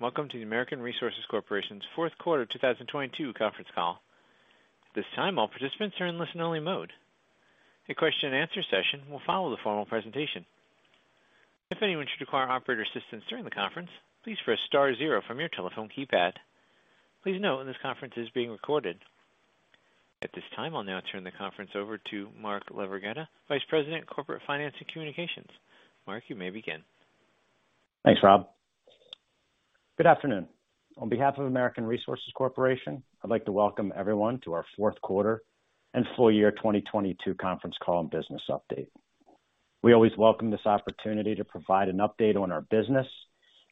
Welcome to the American Resources Corporation's fourth quarter 2022 conference call. At this time, all participants are in listen-only mode. A question and answer session will follow the formal presentation. If anyone should require operator assistance during the conference, please press star zero from your telephone keypad. Please note this conference is being recorded. At this time, I'll now turn the conference over to Mark LaVerghetta, Vice President, Corporate Finance and Communications. Mark, you may begin. Thanks, Rob. Good afternoon. On behalf of American Resources Corporation, I'd like to welcome everyone to our fourth quarter and full year 2022 conference call and business update. We always welcome this opportunity to provide an update on our business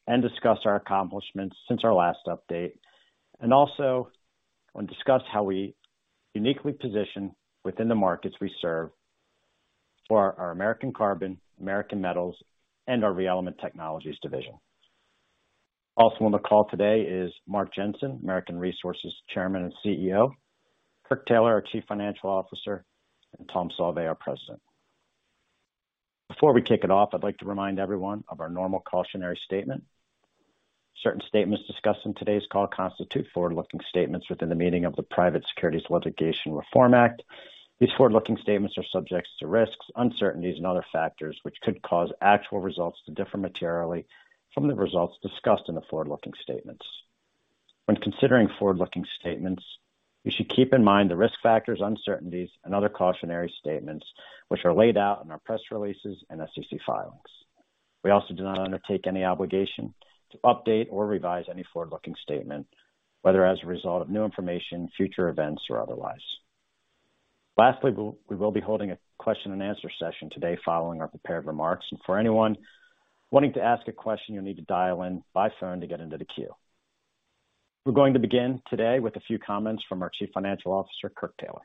and discuss our accomplishments since our last update. Also want to discuss how we uniquely position within the markets we serve for our American Carbon, American Metals, and our ReElement Technologies division. Also on the call today is Mark Jensen, American Resources Chairman and CEO, Kirk Taylor, our Chief Financial Officer, and Tom Sauve, our President. Before we kick it off, I'd like to remind everyone of our normal cautionary statement. Certain statements discussed in today's call constitute forward-looking statements within the meaning of the Private Securities Litigation Reform Act. These forward-looking statements are subject to risks, uncertainties and other factors which could cause actual results to differ materially from the results discussed in the forward-looking statements. When considering forward-looking statements, you should keep in mind the risk factors, uncertainties and other cautionary statements which are laid out in our press releases and SEC filings. We also do not undertake any obligation to update or revise any forward-looking statement, whether as a result of new information, future events or otherwise. Lastly, we will be holding a question and answer session today following our prepared remarks. For anyone wanting to ask a question, you'll need to dial in by phone to get into the queue. We're going to begin today with a few comments from our Chief Financial Officer, Kirk Taylor.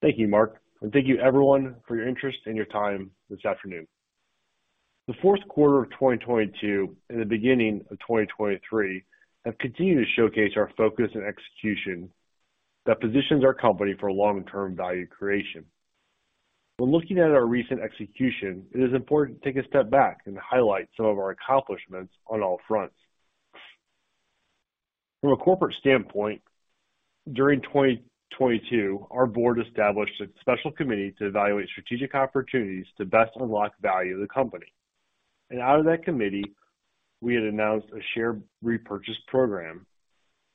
Thank you, Mark, thank you everyone for your interest and your time this afternoon. The fourth quarter of 2022 and the beginning of 2023 have continued to showcase our focus and execution that positions our company for long-term value creation. When looking at our recent execution, it is important to take a step back and highlight some of our accomplishments on all fronts. From a corporate standpoint, during 2022, our board established a special committee to evaluate strategic opportunities to best unlock value of the company. Out of that committee, we had announced a share repurchase program,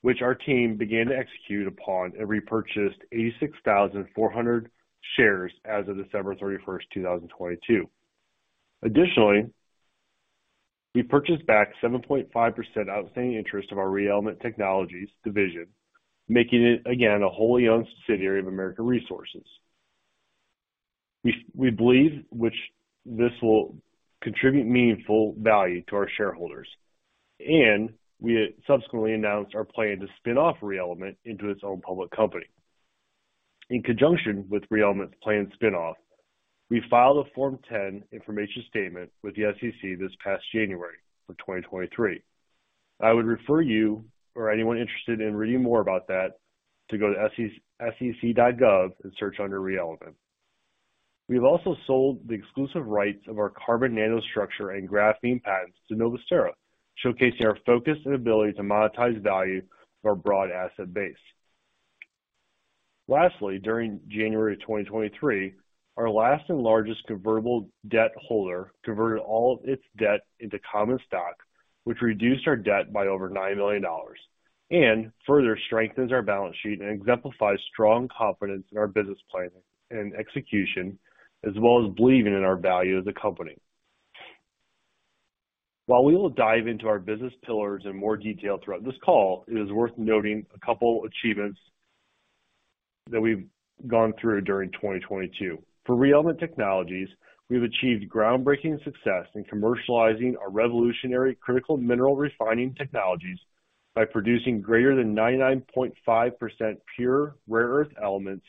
which our team began to execute upon and repurchased 86,400 shares as of December 31st, 2022. Additionally, we purchased back 7.5 outside interest of our ReElement Technologies division, making it again a wholly owned subsidiary of American Resources. We believe which this will contribute meaningful value to our shareholders, and we subsequently announced our plan to spin off ReElement into its own public company. In conjunction with ReElement's planned spin-off, we filed a Form 10 information statement with the SEC this past January for 2023. I would refer you or anyone interested in reading more about that to go to sec.gov and search under ReElement. We have also sold the exclusive rights of our carbon nanostructure and graphene patents to Novusterra, showcasing our focus and ability to monetize value for our broad asset base. Lastly, during January 2023, our last and largest convertible debt holder converted all of its debt into common stock, which reduced our debt by over $9 million and further strengthens our balance sheet and exemplifies strong confidence in our business planning and execution, as well as believing in our value as a company. While we will dive into our business pillars in more detail throughout this call, it is worth noting a couple achievements that we've gone through during 2022. For ReElement Technologies, we've achieved groundbreaking success in commercializing our revolutionary critical mineral refining technologies by producing greater than 99.5% pure rare earth elements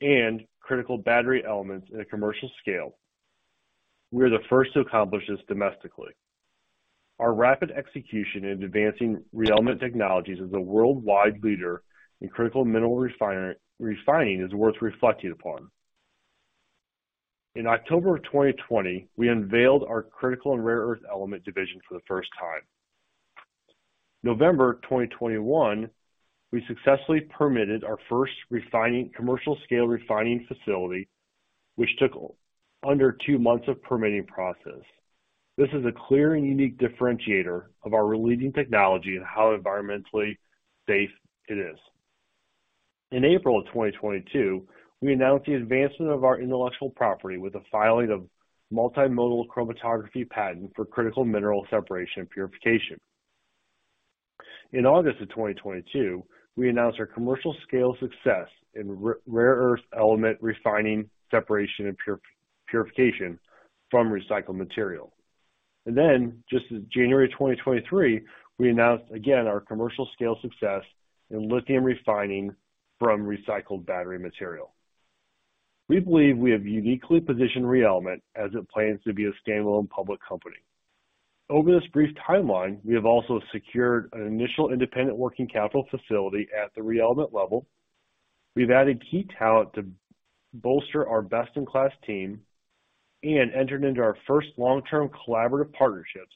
and critical battery elements in a commercial scale. We are the first to accomplish this domestically. Our rapid execution in advancing ReElement Technologies as a worldwide leader in critical mineral refining is worth reflecting upon. In October of 2020, we unveiled our critical and rare earth element division for the first time. November 2021, we successfully permitted our first commercial scale refining facility, which took under two months of permitting process. This is a clear and unique differentiator of our leading technology and how environmentally safe it is. In April of 2022, we announced the advancement of our intellectual property with a filing of multimodal chromatography patent for critical mineral separation and purification. In August of 2022, we announced our commercial scale success in rare earth element refining, separation and purification from recycled material. Just in January of 2023, we announced again our commercial scale success in lithium refining from recycled battery material. We believe we have uniquely positioned ReElement as it plans to be a standalone public company. Over this brief timeline, we have also secured an initial independent working capital facility at the ReElement level. We've added key talent to bolster our best in class team and entered into our first long term collaborative partnerships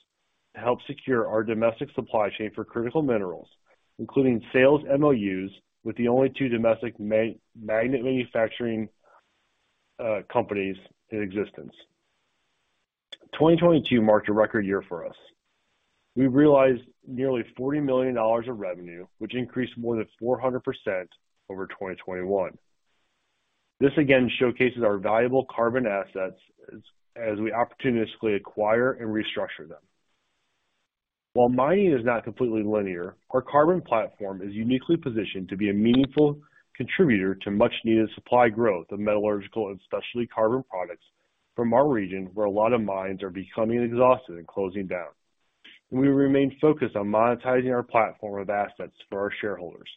to help secure our domestic supply chain for critical minerals, including sales MOUs with the only two domestic magnet manufacturing companies in existence. 2022 marked a record year for us. We realized nearly $40 million of revenue, which increased more than 400% over 2021. This again showcases our valuable carbon assets as we opportunistically acquire and restructure them. While mining is not completely linear, our carbon platform is uniquely positioned to be a meaningful contributor to much needed supply growth of metallurgical and specialty carbon products from our region, where a lot of mines are becoming exhausted and closing down. We remain focused on monetizing our platform of assets for our shareholders.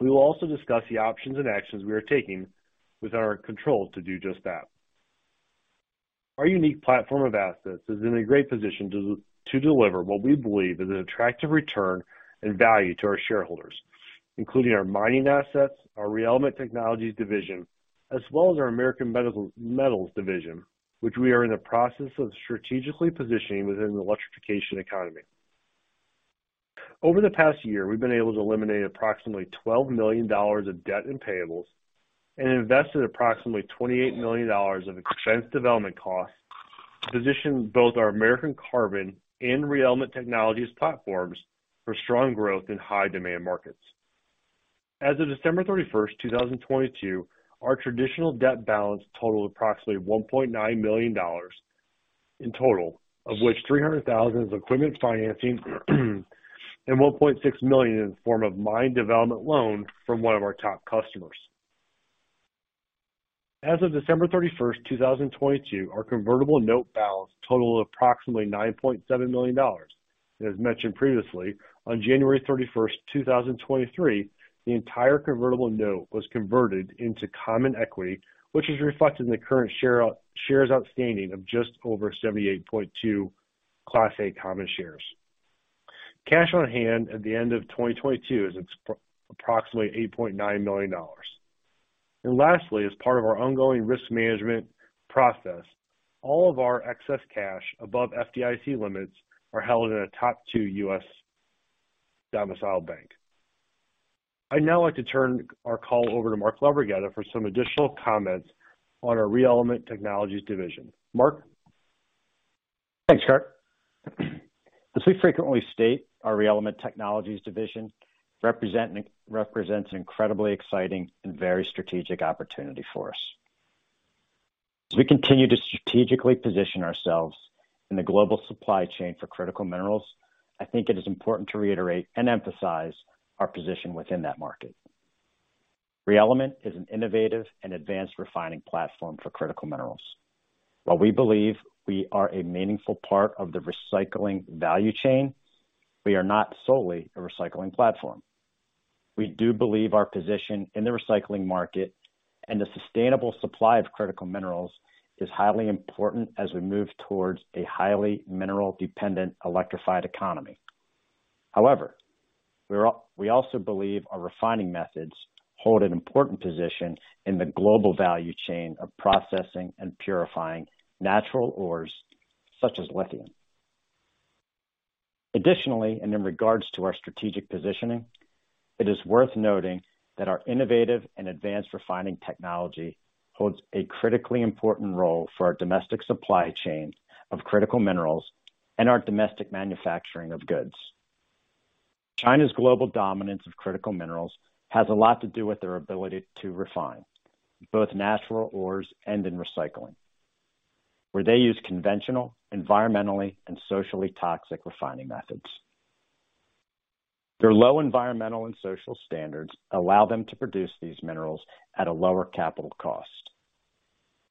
We will also discuss the options and actions we are taking with our control to do just that. Our unique platform of assets is in a great position to deliver what we believe is an attractive return and value to our shareholders, including our mining assets, our ReElement Technologies division, as well as our American Metals division, which we are in the process of strategically positioning within the electrification economy. Over the past year, we've been able to eliminate approximately $12 million of debt and payables, and invested approximately $28 million of expense development costs to position both our American Carbon and ReElement Technologies platforms for strong growth in high demand markets. As of December 31st, 2022, our traditional debt balance totaled approximately $1.9 million in total, of which $300,000 is equipment financing and $1.6 million in the form of mine development loan from one of our top customers. As of December 31st, 2022, our convertible note balance totaled approximately $9.7 million. As mentioned previously, on January 31st, 2023, the entire convertible note was converted into common equity, which is reflected in the current shares outstanding of just over 78.2 Class A common shares. Cash on hand at the end of 2022 is approximately $8.9 million. Lastly, as part of our ongoing risk management process, all of our excess cash above FDIC limits are held in a top two U.S. domiciled bank. I'd now like to turn our call over to Mark LaVerghetta for some additional comments on our ReElement Technologies division. Mark? Thanks, Kirk. As we frequently state, our ReElement Technologies division represents an incredibly exciting and very strategic opportunity for us. As we continue to strategically position ourselves in the global supply chain for critical minerals, I think it is important to reiterate and emphasize our position within that market. ReElement is an innovative and advanced refining platform for critical minerals. While we believe we are a meaningful part of the recycling value chain, we are not solely a recycling platform. We do believe our position in the recycling market and the sustainable supply of critical minerals is highly important as we move towards a highly mineral dependent electrified economy. We also believe our refining methods hold an important position in the global value chain of processing and purifying natural ores such as lithium. Additionally, in regards to our strategic positioning, it is worth noting that our innovative and advanced refining technology holds a critically important role for our domestic supply chain of critical minerals and our domestic manufacturing of goods. China's global dominance of critical minerals has a lot to do with their ability to refine both natural ores and in recycling, where they use conventional, environmentally and socially toxic refining methods. Their low environmental and social standards allow them to produce these minerals at a lower capital cost.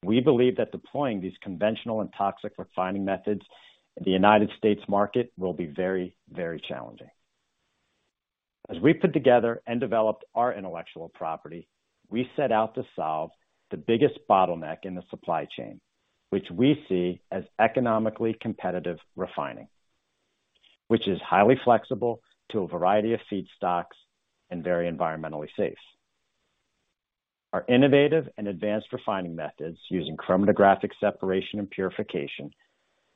We believe that deploying these conventional and toxic refining methods in the United States market will be very, very challenging. As we put together and developed our intellectual property, we set out to solve the biggest bottleneck in the supply chain, which we see as economically competitive refining, which is highly flexible to a variety of feedstocks and very environmentally safe. Our innovative and advanced refining methods using chromatographic separation and purification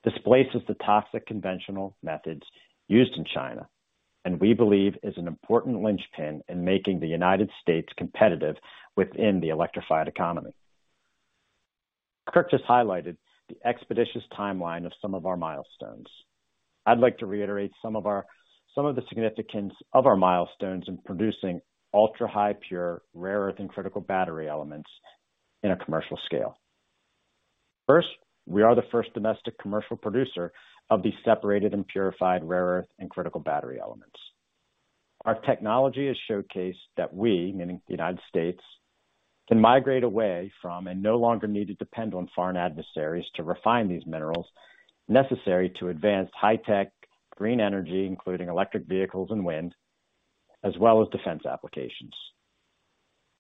displaces the toxic conventional methods used in China, and we believe is an important linchpin in making the United States competitive within the electrified economy. Kirk just highlighted the expeditious timeline of some of our milestones. I'd like to reiterate some of the significance of our milestones in producing ultra high pure rare earth and critical battery elements in a commercial scale. First, we are the first domestic commercial producer of these separated and purified rare earth and critical battery elements. Our technology has showcased that we, meaning the United States, can migrate away from and no longer need to depend on foreign adversaries to refine these minerals necessary to advance high-tech green energy, including electric vehicles and wind, as well as defense applications.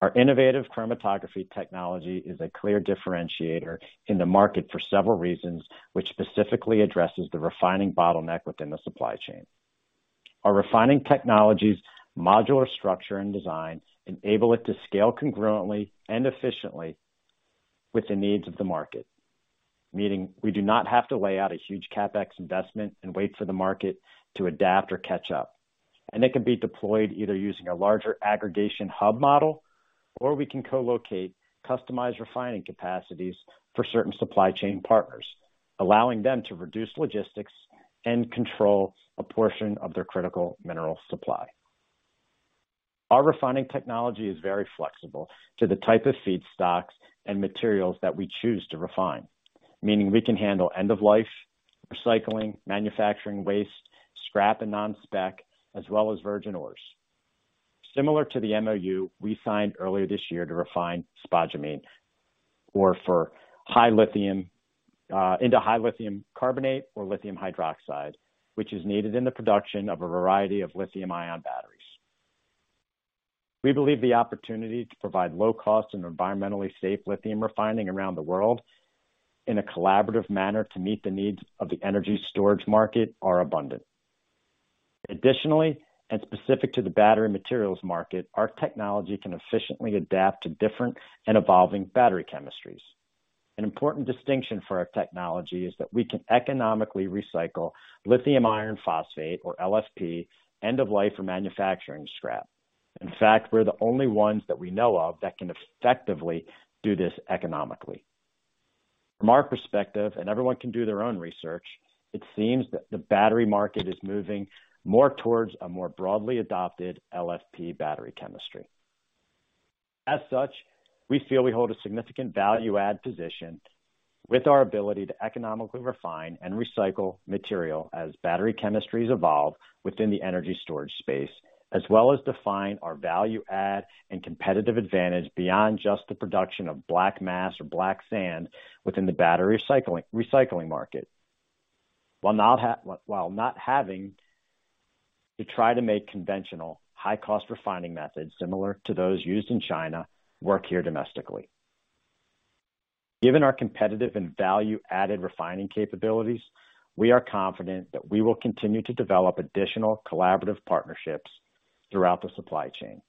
Our innovative chromatography technology is a clear differentiator in the market for several reasons, which specifically addresses the refining bottleneck within the supply chain. Our refining technology's modular structure and design enable it to scale congruently and efficiently with the needs of the market. Meaning we do not have to lay out a huge CapEx investment and wait for the market to adapt or catch up. They can be deployed either using a larger aggregation hub model or we can co-locate customized refining capacities for certain supply chain partners, allowing them to reduce logistics and control a portion of their critical mineral supply. Our refining technology is very flexible to the type of feedstocks and materials that we choose to refine. Meaning we can handle end-of-life recycling, manufacturing waste, scrap and non-spec, as well as virgin ores. Similar to the MoU we signed earlier this year to refine spodumene ore for high lithium into high lithium carbonate or lithium hydroxide, which is needed in the production of a variety of lithium-ion batteries. We believe the opportunity to provide low cost and environmentally safe lithium refining around the world in a collaborative manner to meet the needs of the energy storage market are abundant. Additionally, and specific to the battery materials market, our technology can efficiently adapt to different and evolving battery chemistries. An important distinction for our technology is that we can economically recycle lithium iron phosphate or LFP end-of-life or manufacturing scrap. In fact, we're the only ones that we know of that can effectively do this economically. From our perspective, and everyone can do their own research, it seems that the battery market is moving more towards a more broadly adopted LFP battery chemistry. As such, we feel we hold a significant value add position with our ability to economically refine and recycle material as battery chemistries evolve within the energy storage space, as well as define our value add and competitive advantage beyond just the production of black mass or black mass within the battery recycling market. While not having to try to make conventional high cost refining methods similar to those used in China work here domestically. Given our competitive and value-added refining capabilities, we are confident that we will continue to develop additional collaborative partnerships throughout the supply chain.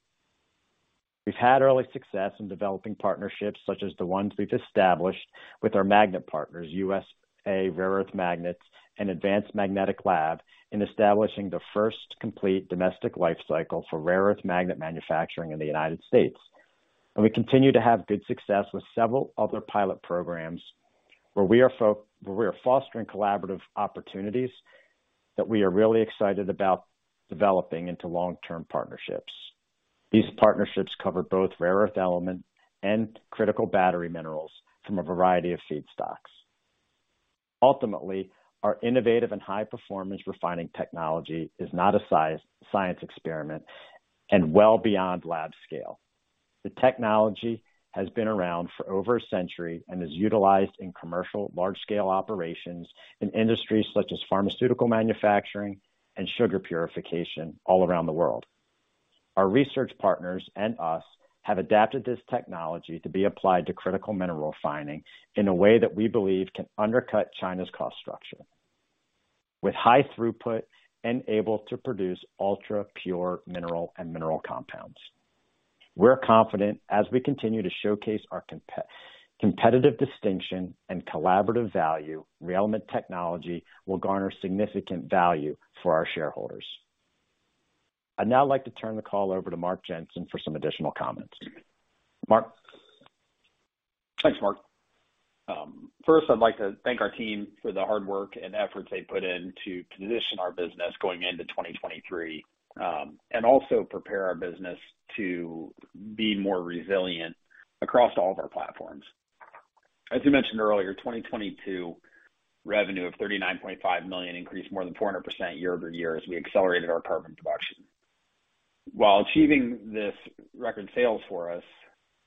We've had early success in developing partnerships such as the ones we've established with our magnet partners, USA Rare Earth and Advanced Magnet Lab, in establishing the first complete domestic life cycle for rare earth magnet manufacturing in the United States. We continue to have good success with several other pilot programs where we are fostering collaborative opportunities that we are really excited about developing into long-term partnerships. These partnerships cover both rare earth elements and critical battery minerals from a variety of feedstocks. Ultimately, our innovative and high-performance refining technology is not a science experiment and well beyond lab scale. The technology has been around for over a century and is utilized in commercial large-scale operations in industries such as pharmaceutical manufacturing and sugar purification all around the world. Our research partners and us have adapted this technology to be applied to critical mineral refining in a way that we believe can undercut China's cost structure. With high throughput and able to produce ultra-pure mineral and mineral compounds. We're confident as we continue to showcase our competitive distinction and collaborative value, ReElement Technologies will garner significant value for our shareholders. I'd now like to turn the call over to Mark Jensen for some additional comments. Mark? Thanks, Mark. first, I'd like to thank our team for the hard work and effort they put in to position our business going into 2023, and also prepare our business to be more resilient across all of our platforms. As you mentioned earlier, 2022 revenue of $39.5 million increased more than 400% year-over-year as we accelerated our carbon production. While achieving this record sales for us,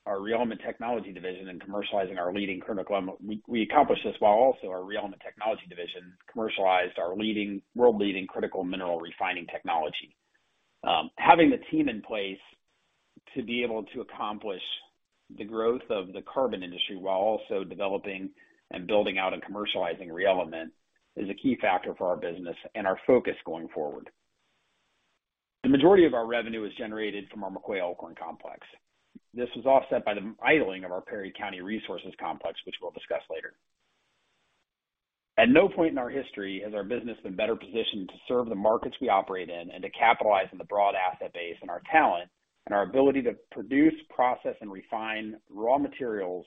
our ReElement Technologies division and commercializing our leading critical element, we accomplished this while also our ReElement Technologies division commercialized our world-leading critical mineral refining technology. Having the team in place to be able to accomplish the growth of the carbon industry while also developing and building out and commercializing ReElement is a key factor for our business and our focus going forward. The majority of our revenue is generated from our McCoy Elkhorn complex. This was offset by the idling of our Perry County Resources complex, which we'll discuss later. At no point in our history has our business been better positioned to serve the markets we operate in and to capitalize on the broad asset base and our talent, and our ability to produce, process, and refine raw materials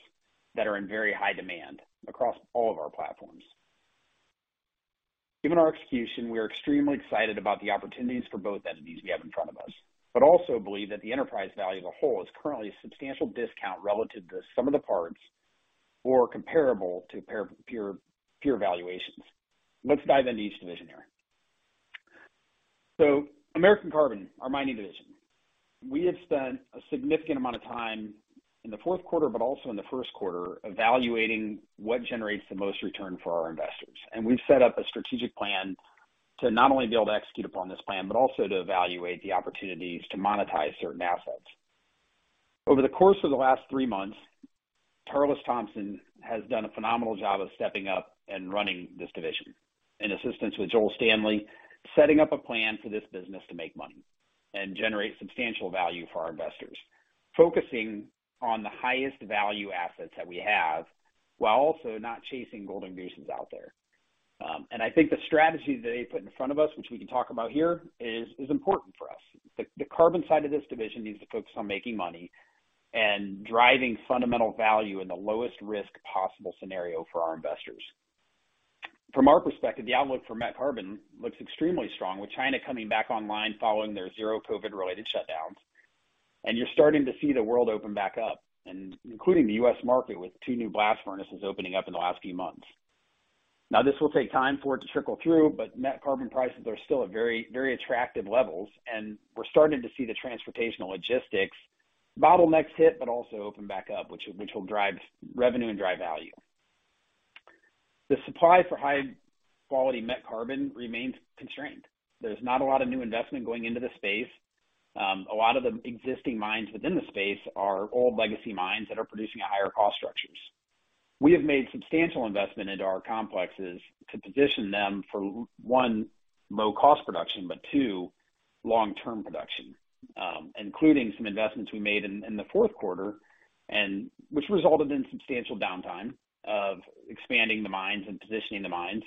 that are in very high demand across all of our platforms. Given our execution, we are extremely excited about the opportunities for both entities we have in front of us, also believe that the enterprise value as a whole is currently a substantial discount relative to some of the parts or comparable to peer valuations. Let's dive into each division here. American Carbon, our mining division, we have spent a significant amount of time in the fourth quarter, but also in the first quarter, evaluating what generates the most return for our investors. We've set up a strategic plan to not only be able to execute upon this plan, but also to evaluate the opportunities to monetize certain assets. Over the course of the last three months, Tarlis Thompson has done a phenomenal job of stepping up and running this division in assistance with Joel Stanley, setting up a plan for this business to make money and generate substantial value for our investors, focusing on the highest value assets that we have, while also not chasing golden gooses out there. I think the strategy that he put in front of us, which we can talk about here, is important for us. The carbon side of this division needs to focus on making money and driving fundamental value in the lowest risk possible scenario for our investors. From our perspective, the outlook for met carbon looks extremely strong, with China coming back online following their zero COVID related shutdowns. You're starting to see the world open back up and including the U.S. market, with two new blast furnaces opening up in the last few months. This will take time for it to trickle through, but met carbon prices are still at very, very attractive levels, and we're starting to see the transportation logistics bottlenecks hit, but also open back up, which will drive revenue and drive value. The supply for high-quality met carbon remains constrained. There's not a lot of new investment going into the space. A lot of the existing mines within the space are old legacy mines that are producing at higher cost structures. We have made substantial investment into our complexes to position them for, one, low-cost production, but two, long-term production, including some investments we made in the fourth quarter and which resulted in substantial downtime of expanding the mines and positioning the mines.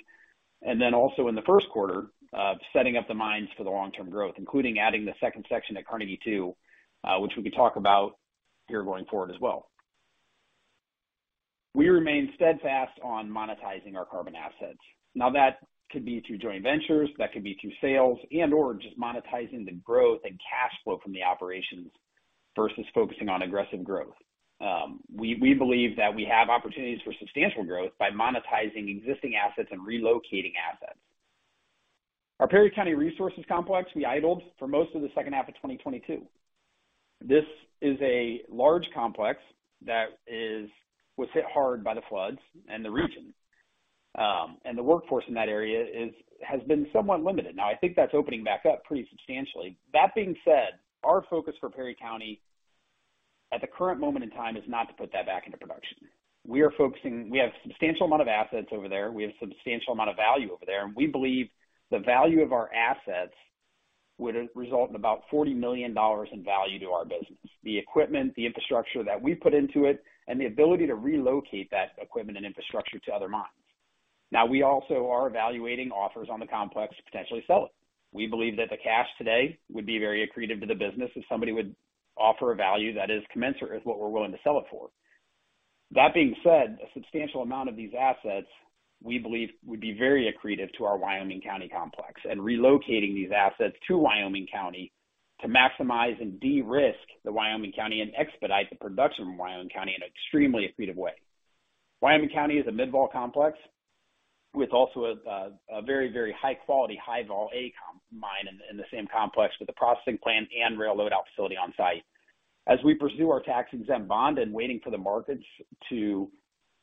Also in the first quarter of setting up the mines for the long-term growth, including adding the second section at Carnegie 2, which we could talk about here going forward as well. We remain steadfast on monetizing our carbon assets. That could be through joint ventures, that could be through sales and/or just monetizing the growth and cash flow from the operations versus focusing on aggressive growth. We believe that we have opportunities for substantial growth by monetizing existing assets and relocating assets. Our Perry County Resources complex we idled for most of the second half of 2022. This is a large complex that was hit hard by the floods and the region. The workforce in that area has been somewhat limited. I think that's opening back up pretty substantially. That being said, our focus for Perry County at the current moment in time is not to put that back into production. We have substantial amount of assets over there. We have substantial amount of value over there. We believe the value of our assets would result in about $40 million in value to our business. The equipment, the infrastructure that we put into it, and the ability to relocate that equipment and infrastructure to other mines. We also are evaluating offers on the complex to potentially sell it. We believe that the cash today would be very accretive to the business if somebody would offer a value that is commensurate with what we're willing to sell it for. That being said, a substantial amount of these assets, we believe, would be very accretive to our Wyoming County complex and relocating these assets to Wyoming County to maximize and de-risk the Wyoming County and expedite the production from Wyoming County in an extremely accretive way. Wyoming County is a mid-vol complex with also a very, very high quality, high vol A mine in the same complex with a processing plant and rail loadout facility on site. We pursue our tax-exempt bond and waiting for the markets to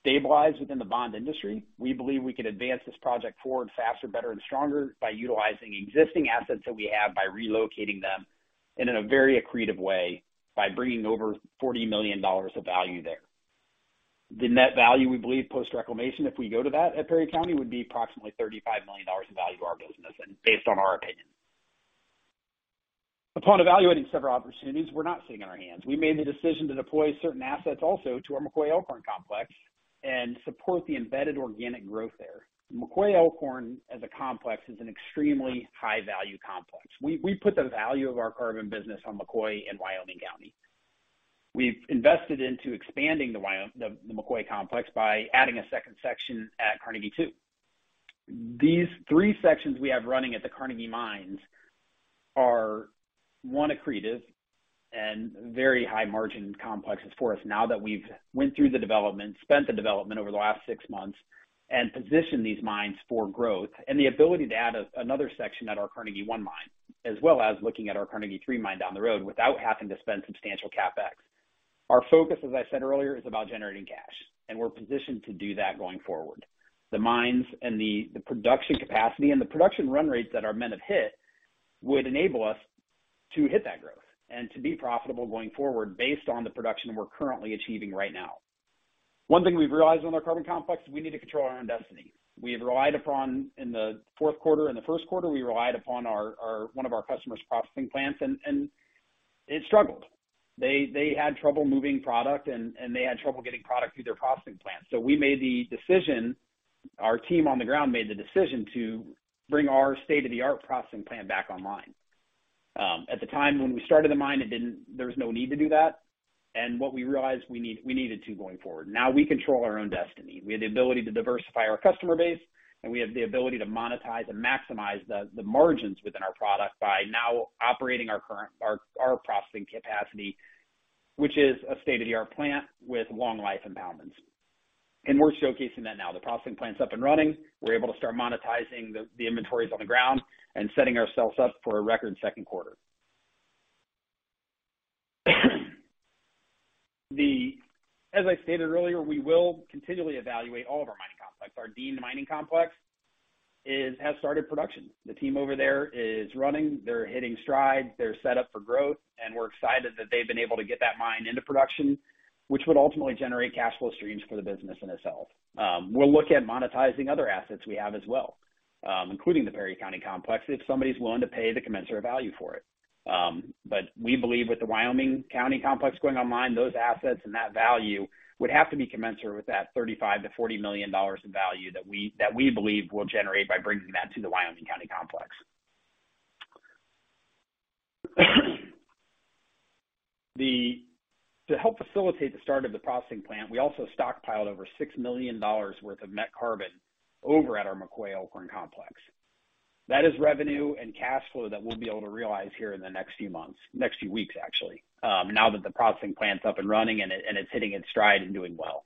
stabilize within the bond industry, we believe we can advance this project forward faster, better and stronger by utilizing existing assets that we have, by relocating them in a very accretive way, by bringing over $40 million of value there. The net value, we believe, post reclamation, if we go to that at Perry County, would be approximately $35 million in value to our business and based on our opinion. Upon evaluating several opportunities, we're not sitting on our hands. We made the decision to deploy certain assets also to our McCoy Elkhorn complex and support the embedded organic growth there. McCoy Elkhorn as a complex is an extremely high value complex. We put the value of our carbon business on McCoy and Wyoming County. We've invested into expanding the McCoy complex by adding a second section at Carnegie 2. These three sections we have running at the Carnegie mines are, one, accretive and very high margin complexes for us. Now that we've went through the development, spent the development over the last six months and positioned these mines for growth and the ability to add another section at our Carnegie 1 mine, as well as looking at our Carnegie 3 mine down the road without having to spend substantial CapEx. Our focus, as I said earlier, is about generating cash. We're positioned to do that going forward. The mines and the production capacity and the production run rates that our men have hit would enable us to hit that growth and to be profitable going forward based on the production we're currently achieving right now. One thing we've realized on our carbon complex is we need to control our own destiny. We have relied upon in the fourth quarter, in the first quarter, we relied upon our one of our customers processing plants, and it struggled. They had trouble moving product and they had trouble getting product through their processing plant. We made the decision, our team on the ground made the decision to bring our state-of-the-art processing plant back online. At the time when we started the mine, it didn't there was no need to do that. What we realized we needed to going forward. Now we control our own destiny. We have the ability to diversify our customer base, we have the ability to monetize and maximize the margins within our product by now operating our processing capacity, which is a state-of-the-art plant with long life impoundments. We're showcasing that now. The processing plant's up and running. We're able to start monetizing the inventories on the ground and setting ourselves up for a record second quarter. As I stated earlier, we will continually evaluate all of our mining complex. Our Deane Mining complexes have started production. The team over there is running, they're hitting stride, they're set up for growth, and we're excited that they've been able to get that mine into production, which would ultimately generate cash flow streams for the business in itself. We'll look at monetizing other assets we have as well, including the Perry County Complex, if somebody's willing to pay the commensurate value for it. We believe with the Wyoming County Complex going online, those assets and that value would have to be commensurate with that $35 million-$40 million in value that we believe will generate by bringing that to the Wyoming County Complex. To help facilitate the start of the processing plant, we also stockpiled over $6 million worth of met carbon over at our McCoy Elkhorn Complex. That is revenue and cash flow that we'll be able to realize here in the next few months, next few weeks, actually, now that the processing plant's up and running and it, and it's hitting its stride and doing well.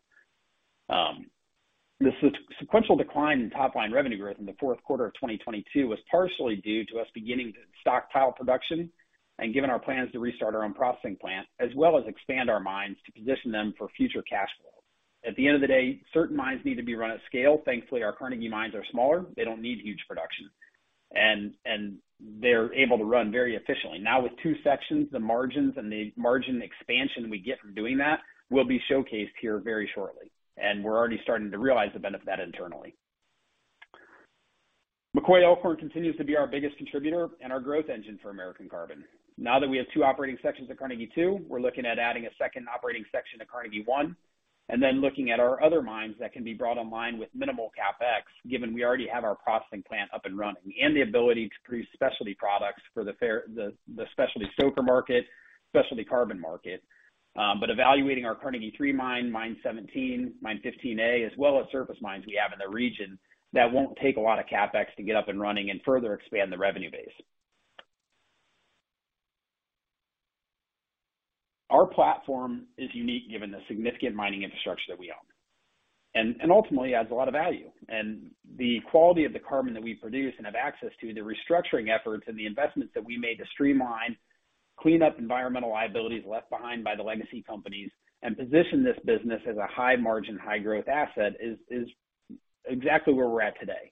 The sequential decline in top line revenue growth in the fourth quarter of 2022 was partially due to us beginning to stockpile production and given our plans to restart our own processing plant, as well as expand our mines to position them for future cash flow. At the end of the day, certain mines need to be run at scale. Thankfully, our Carnegie mines are smaller. They don't need huge production. They're able to run very efficiently. Now with two sections, the margins and the margin expansion we get from doing that will be showcased here very shortly, and we're already starting to realize the benefit of that internally. McCoy Elkhorn continues to be our biggest contributor and our growth engine for American Carbon. Now that we have two operating sections at Carnegie 2, we're looking at adding a second operating section to Carnegie 1, then looking at our other mines that can be brought online with minimal CapEx, given we already have our processing plant up and running and the ability to produce specialty products for the specialty soaker market, specialty carbon market. Evaluating our Carnegie 3 mine 17, mine 15 A, as well as surface mines we have in the region, that won't take a lot of CapEx to get up and running and further expand the revenue base. Our platform is unique given the significant mining infrastructure that we own. And ultimately adds a lot of value. The quality of the carbon that we produce and have access to, the restructuring efforts and the investments that we made to streamline, clean up environmental liabilities left behind by the legacy companies, and position this business as a high margin, high growth asset is exactly where we're at today.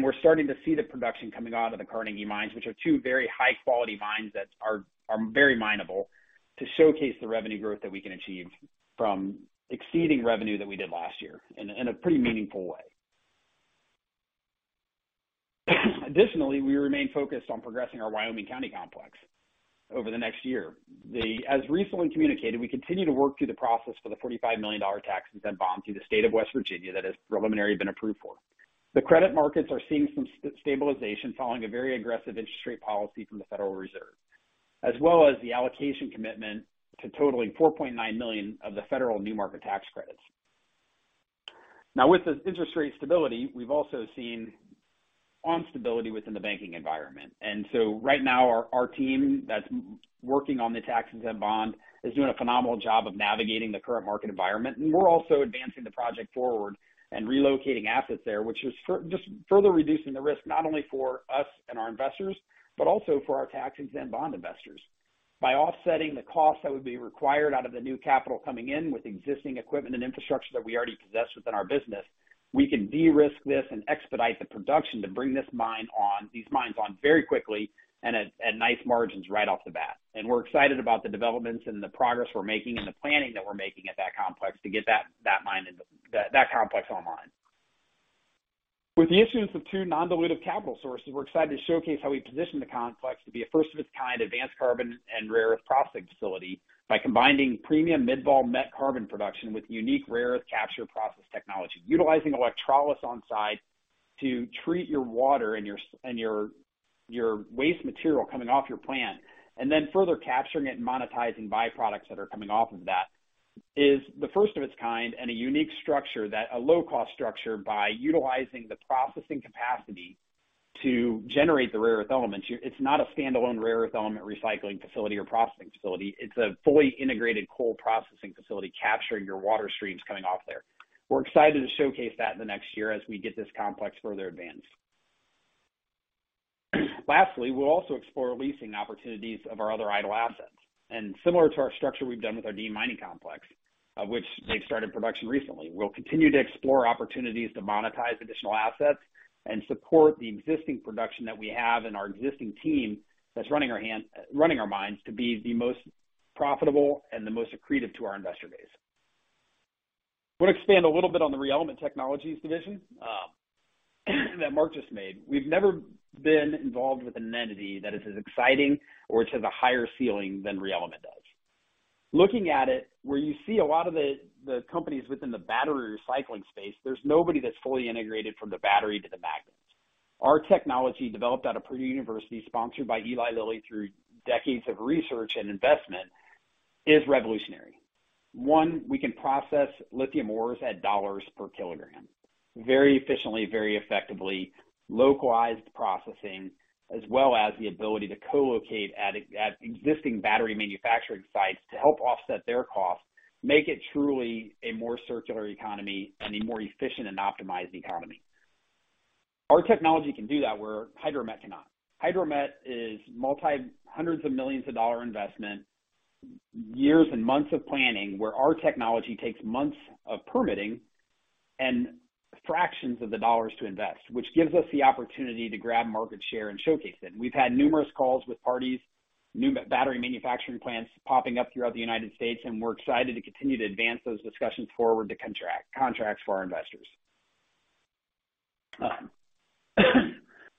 We're starting to see the production coming out of the Carnegie mines, which are two very high-quality mines that are very mineable, to showcase the revenue growth that we can achieve from exceeding revenue that we did last year in a pretty meaningful way. Additionally, we remain focused on progressing our Wyoming County complex over the next year. As recently communicated, we continue to work through the process for the $45 million tax-exempt bond through the state of West Virginia that has preliminarily been approved for. The credit markets are seeing some stabilization following a very aggressive interest rate policy from the Federal Reserve, as well as the allocation commitment to totaling $4.9 million of the federal New Markets Tax Credits. Now with the interest rate stability, we've also seen on stability within the banking environment. Right now our team that's working on the tax-exempt bond is doing a phenomenal job of navigating the current market environment. We're also advancing the project forward and relocating assets there, which is just further reducing the risk, not only for us and our investors, but also for our tax-exempt bond investors. By offsetting the cost that would be required out of the new capital coming in with existing equipment and infrastructure that we already possess within our business, we can de-risk this and expedite the production to bring this mine on, these mines on very quickly and at nice margins right off the bat. We're excited about the developments and the progress we're making and the planning that we're making at that complex to get that complex online. With the issuance of two non-dilutive capital sources, we're excited to showcase how we position the complex to be a first of its kind advanced carbon and rare earth processing facility by combining premium mid-vol met carbon production with unique rare earth capture process technology. Utilizing electrolysis on-site to treat your water and your waste material coming off your plant, and then further capturing it and monetizing byproducts that are coming off of that, is the first of its kind and a unique structure that a low cost structure by utilizing the processing capacity to generate the rare earth elements. It's not a standalone rare earth element recycling facility or processing facility. It's a fully integrated coal processing facility capturing your water streams coming off there. We're excited to showcase that in the next year as we get this complex further advanced. Lastly, we'll also explore leasing opportunities of our other idle assets. Similar to our structure we've done with our Deane Mining complex, which they started production recently. We'll continue to explore opportunities to monetize additional assets and support the existing production that we have and our existing team that's running our mines to be the most profitable and the most accretive to our investor base. I want to expand a little bit on the ReElement Technologies division that Mark just made. We've never been involved with an entity that is as exciting or which has a higher ceiling than ReElement does. Looking at it, where you see a lot of the companies within the battery recycling space, there's nobody that's fully integrated from the battery to the magnets. Our technology developed at a Purdue University sponsored by Eli Lilly through decades of research and investment is revolutionary. One, we can process lithium ores at dollars per kilogram. Very efficiently, very effectively, localized processing, as well as the ability to co-locate at existing battery manufacturing sites to help offset their costs, make it truly a more circular economy and a more efficient and optimized economy. Our technology can do that, where HydroMet cannot. HydroMet is multi-hundreds of millions of dollar investment Years and months of planning where our technology takes months of permitting and fractions of the dollars to invest, which gives us the opportunity to grab market share and showcase it. We've had numerous calls with parties, new battery manufacturing plants popping up throughout the United States, we're excited to continue to advance those discussions forward to contract, contracts for our investors.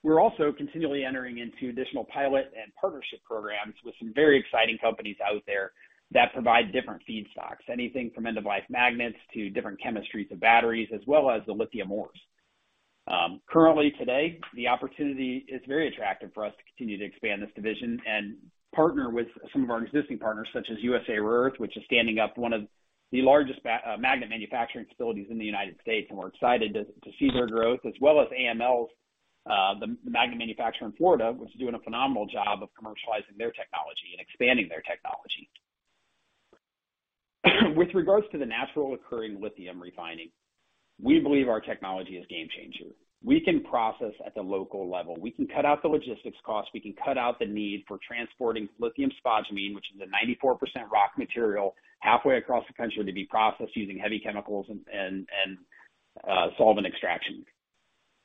We're also continually entering into additional pilot and partnership programs with some very exciting companies out there that provide different feedstocks. Anything from end-of-life magnets to different chemistries of batteries, as well as the lithium ores. Currently today, the opportunity is very attractive for us to continue to expand this division and partner with some of our existing partners such as USA Rare Earth, which is standing up one of the largest magnet manufacturing facilities in the United States, and we're excited to see their growth. AML, the magnet manufacturer in Florida, which is doing a phenomenal job of commercializing their technology and expanding their technology. With regards to the natural occurring lithium refining, we believe our technology is game changer. We can process at the local level. We can cut out the logistics costs. We can cut out the need for transporting lithium spodumene, which is a 94% rock material, halfway across the country to be processed using heavy chemicals and solvent extraction.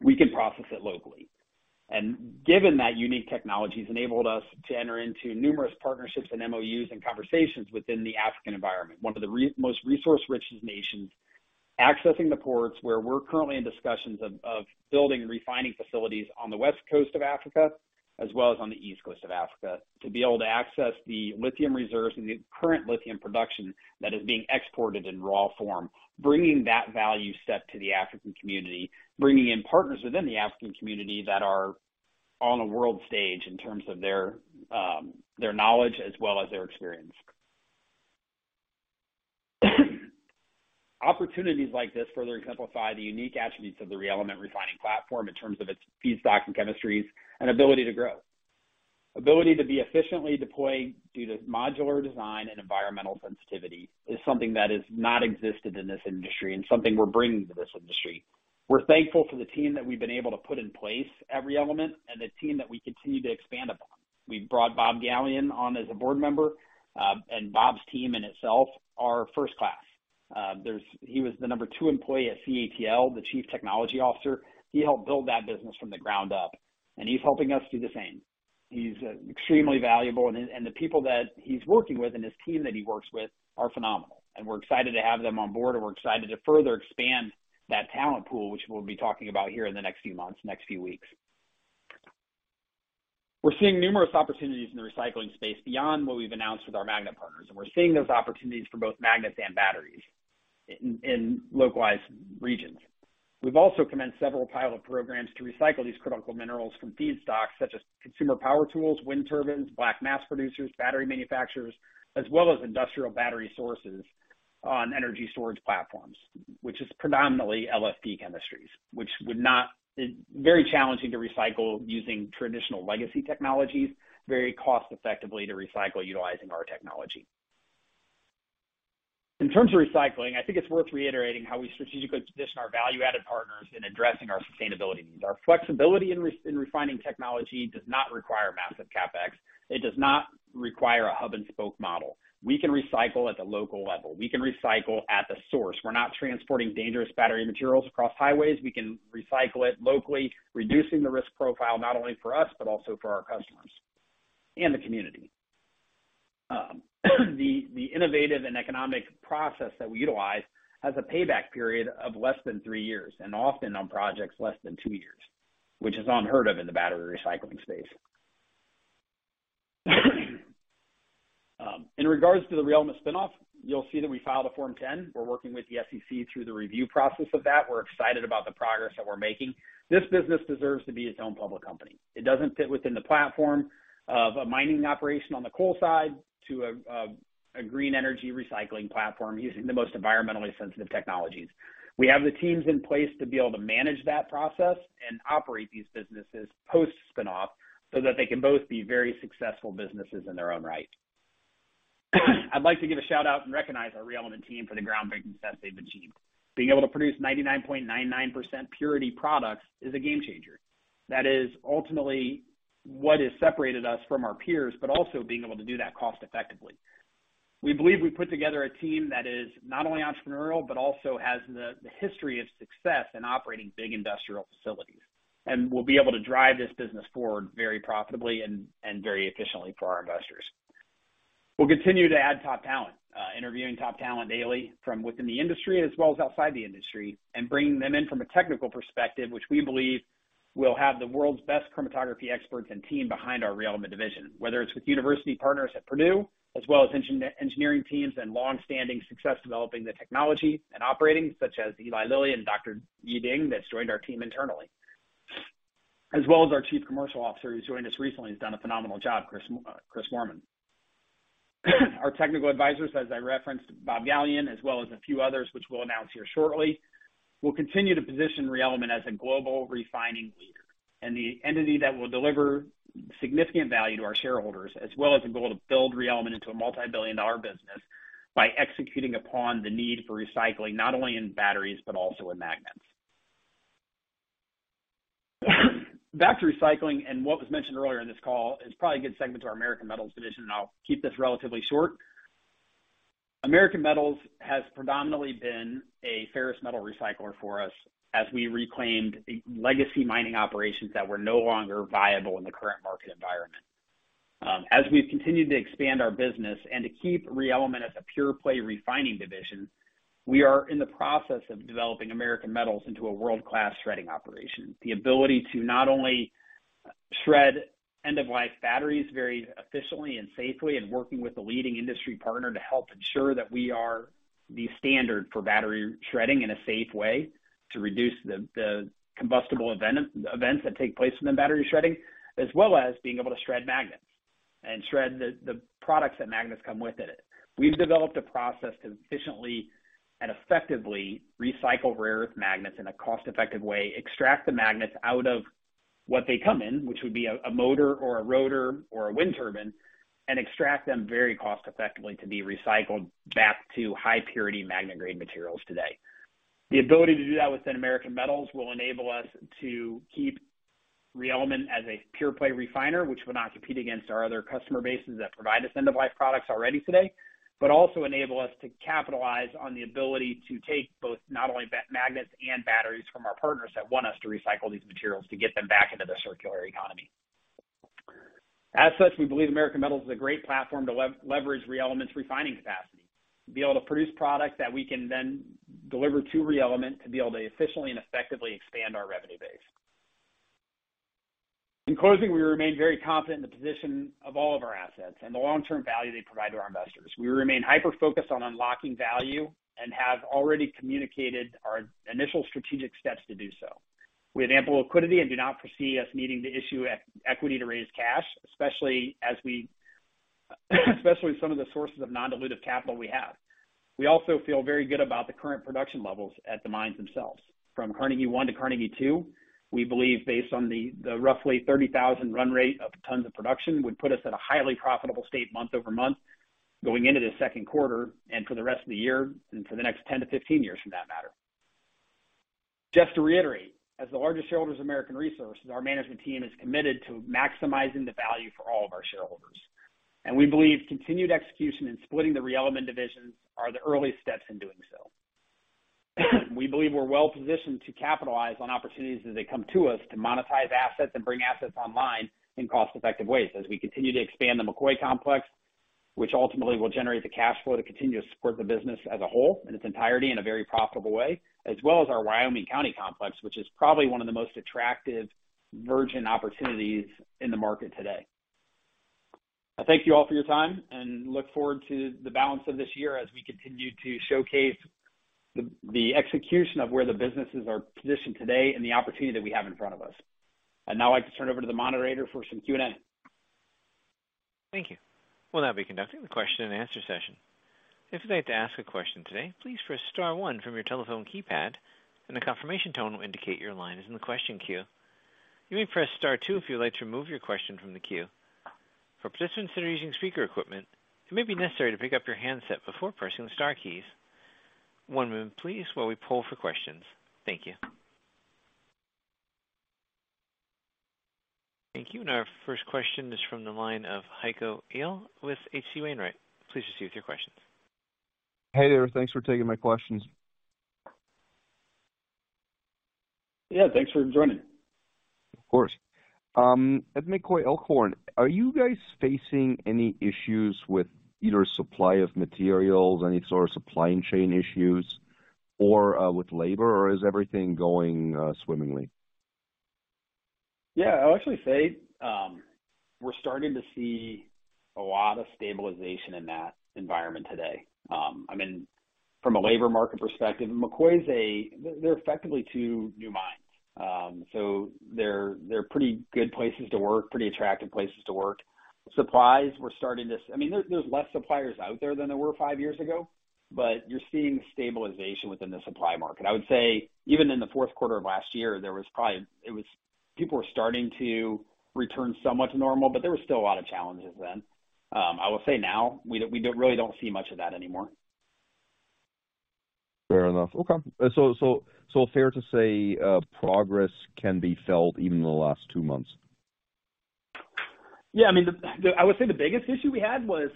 We can process it locally. Given that unique technology's enabled us to enter into numerous partnerships and MoUs and conversations within the African environment, one of the most resource richest nations, accessing the ports where we're currently in discussions of building refining facilities on the west coast of Africa as well as on the east coast of Africa, to be able to access the lithium reserves and the current lithium production that is being exported in raw form, bringing that value set to the African community, bringing in partners within the African community that are on a world stage in terms of their knowledge as well as their experience. Opportunities like this further exemplify the unique attributes of the ReElement refining platform in terms of its feedstock and chemistries and ability to grow. Ability to be efficiently deployed due to modular design and environmental sensitivity is something that has not existed in this industry and something we're bringing to this industry. We're thankful for the team that we've been able to put in place at ReElement and the team that we continue to expand upon. We've brought Bob Galyen on as a board member, and Bob's team in itself are first class. He was the number two employee at CATL, the Chief Technology Officer. He helped build that business from the ground up, and he's helping us do the same. He's extremely valuable and the people that he's working with and his team that he works with are phenomenal. We're excited to have them on board, and we're excited to further expand that talent pool, which we'll be talking about here in the next few months, next few weeks. We're seeing numerous opportunities in the recycling space beyond what we've announced with our magnet partners, and we're seeing those opportunities for both magnets and batteries in localized regions. We've also commenced several pilot programs to recycle these critical minerals from feedstocks such as consumer power tools, wind turbines, black mass producers, battery manufacturers, as well as industrial battery sources on energy storage platforms, which is predominantly LFP chemistries, is very challenging to recycle using traditional legacy technologies, very cost effectively to recycle utilizing our technology. In terms of recycling, I think it's worth reiterating how we strategically position our value-added partners in addressing our sustainability needs. Our flexibility in refining technology does not require massive CapEx. It does not require a hub-and-spoke model. We can recycle at the local level. We can recycle at the source. We're not transporting dangerous battery materials across highways. We can recycle it locally, reducing the risk profile not only for us, but also for our customers and the community. The innovative and economic process that we utilize has a payback period of less than three years, and often on projects less than two years, which is unheard of in the battery recycling space. In regards to the ReElement spin-off, you'll see that we filed a Form 10. We're working with the SEC through the review process of that. We're excited about the progress that we're making. This business deserves to be its own public company. It doesn't fit within the platform of a mining operation on the coal side to a green energy recycling platform using the most environmentally sensitive technologies. We have the teams in place to be able to manage that process and operate these businesses post-spin-off so that they can both be very successful businesses in their own right. I'd like to give a shout-out and recognize our ReElement team for the groundbreaking success they've achieved. Being able to produce 99.99% purity products is a game changer. That is ultimately what has separated us from our peers, but also being able to do that cost effectively. We believe we put together a team that is not only entrepreneurial, but also has the history of success in operating big industrial facilities. We'll be able to drive this business forward very profitably and very efficiently for our investors. We'll continue to add top talent, interviewing top talent daily from within the industry as well as outside the industry, and bringing them in from a technical perspective, which we believe will have the world's best chromatography experts and team behind our ReElement division. Whether it's with university partners at Purdue, as well as engineering teams and longstanding success developing the technology and operating, such as Eli Lilly and Dr. Yi Ding that's joined our team internally. As well as our chief commercial officer who's joined us recently, he's done a phenomenal job, Chris Moorman. Our technical advisors, as I referenced Bob Galyen, as well as a few others, which we'll announce here shortly. We'll continue to position ReElement as a global refining leader and the entity that will deliver significant value to our shareholders, as well as the goal to build ReElement into a multi-billion dollar business by executing upon the need for recycling, not only in batteries, but also in magnets. Back to recycling and what was mentioned earlier in this call is probably a good segment to our American Metals division, and I'll keep this relatively short. American Metals has predominantly been a ferrous metal recycler for us as we reclaimed legacy mining operations that were no longer viable in the current market environment. As we've continued to expand our business and to keep ReElement as a pure play refining division, we are in the process of developing American Metals into a world-class shredding operation. The ability to not only shred end-of-life batteries very efficiently and safely, and working with a leading industry partner to help ensure that we are the standard for battery shredding in a safe way to reduce the combustible even-events that take place in the battery shredding, as well as being able to shred magnets and shred the products that magnets come with in it. We've developed a process to efficiently and effectively recycle rare earth magnets in a cost-effective way, extract the magnets out of what they come in, which would be a motor or a rotor or a wind turbine, and extract them very cost effectively to be recycled back to high purity magnet grade materials today. The ability to do that within American Metals will enable us to keep ReElement as a pure play refiner, which would not compete against our other customer bases that provide us end-of-life products already today, but also enable us to capitalize on the ability to take both, not only magnets and batteries from our partners that want us to recycle these materials to get them back into the circular economy. As such, we believe American Metals is a great platform to leverage ReElement's refining capacity, to be able to produce products that we can then deliver to ReElement to be able to efficiently and effectively expand our revenue base. In closing, we remain very confident in the position of all of our assets and the long-term value they provide to our investors. We remain hyper-focused on unlocking value and have already communicated our initial strategic steps to do so. We have ample liquidity and do not foresee us needing to issue equity to raise cash, especially with some of the sources of non-dilutive capital we have. We also feel very good about the current production levels at the mines themselves. From Carnegie 1 to Carnegie 2, we believe based on the roughly 30,000 run rate of tons of production would put us at a highly profitable state month-over-month going into the second quarter and for the rest of the year and for the next 10-15 years for that matter. Just to reiterate, as the largest shareholders of American Resources, our management team is committed to maximizing the value for all of our shareholders, and we believe continued execution in splitting the ReElement divisions are the early steps in doing so. We believe we're well-positioned to capitalize on opportunities as they come to us to monetize assets and bring assets online in cost-effective ways as we continue to expand the McCoy Complex, which ultimately will generate the cash flow to continue to support the business as a whole in its entirety in a very profitable way, as well as our Wyoming County Complex, which is probably one of the most attractive virgin opportunities in the market today. I thank you all for your time and look forward to the balance of this year as we continue to showcase the execution of where the businesses are positioned today and the opportunity that we have in front of us. I'd now like to turn over to the moderator for some Q&A. Thank you. We'll now be conducting the question and answer session. If you'd like to ask a question today, please press star one from your telephone keypad and the confirmation tone will indicate your line is in the question queue. You may press star two if you would like to remove your question from the queue. For participants that are using speaker equipment, it may be necessary to pick up your handset before pressing the star keys. One moment please while we poll for questions. Thank you. Thank you. Our first question is from the line of Heiko Ihle with H.C. Wainwright. Please proceed with your questions. Hey there. Thanks for taking my questions. Yeah, thanks for joining. Of course. At McCoy Elkhorn, are you guys facing any issues with either supply of materials, any sort of supply chain issues or, with labor, or is everything going, swimmingly? Yeah, I'll actually say, we're starting to see a lot of stabilization in that environment today. I mean, from a labor market perspective, McCoy is effectively two new mines. They're pretty good places to work, pretty attractive places to work. Supplies, we're starting to. I mean, there's less suppliers out there than there were five years ago, but you're seeing stabilization within the supply market. I would say even in the fourth quarter of last year, there was probably. People were starting to return somewhat to normal, but there were still a lot of challenges then. I will say now we really don't see much of that anymore. Fair enough. Okay. Fair to say, progress can be felt even in the last two months? Yeah, I mean, the biggest issue we had was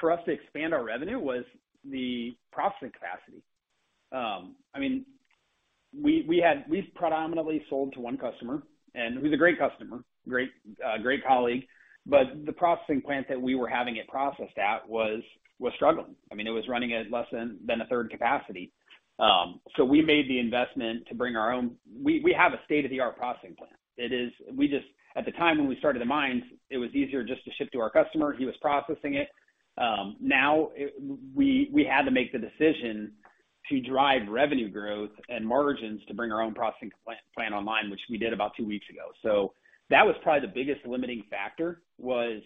for us to expand our revenue was the processing capacity. I mean, we've predominantly sold to one customer and who's a great customer, great colleague, but the processing plant that we were having it processed at was struggling. I mean, it was running at less than a third capacity. We made the investment. We have a state-of-the-art processing plant. It is. We just, at the time when we started the mines, it was easier just to ship to our customer. He was processing it. Now we had to make the decision to drive revenue growth and margins to bring our own processing plan online, which we did about two weeks ago. That was probably the biggest limiting factor was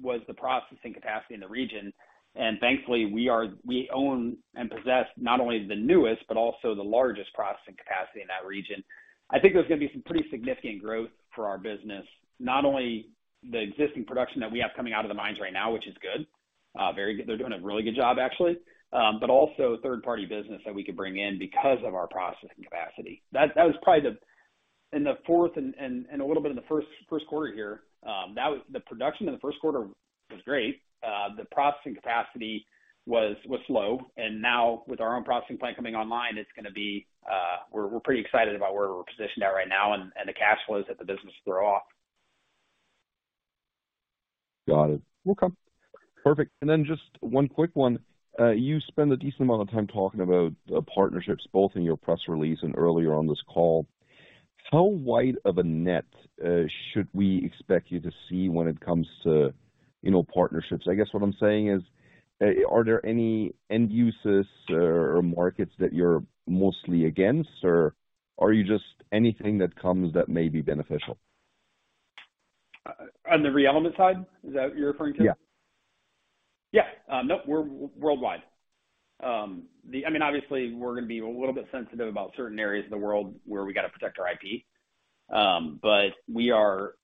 the processing capacity in the region. Thankfully, we own and possess not only the newest, but also the largest processing capacity in that region. I think there's gonna be some pretty significant growth for our business. Not only the existing production that we have coming out of the mines right now, which is good. Very good. They're doing a really good job actually. Also third-party business that we could bring in because of our processing capacity. That was probably the In the fourth and a little bit in the first quarter here, the production in the first quarter was great. The processing capacity was slow. Now with our own processing plant coming online, it's gonna be, we're pretty excited about where we're positioned at right now and the cash flows that the business throw off. Got it. Okay. Perfect. Then just one quick one. You spend a decent amount of time talking about partnerships both in your press release and earlier on this call. How wide of a net should we expect you to see when it comes to, you know, partnerships? I guess what I'm saying is, are there any end uses or markets that you're mostly against or are you just anything that comes that may be beneficial? On the ReElement side, is that what you're referring to? Yeah. Yeah. No, we're worldwide. I mean, obviously, we're gonna be a little bit sensitive about certain areas of the world where we got to protect our IP. We are,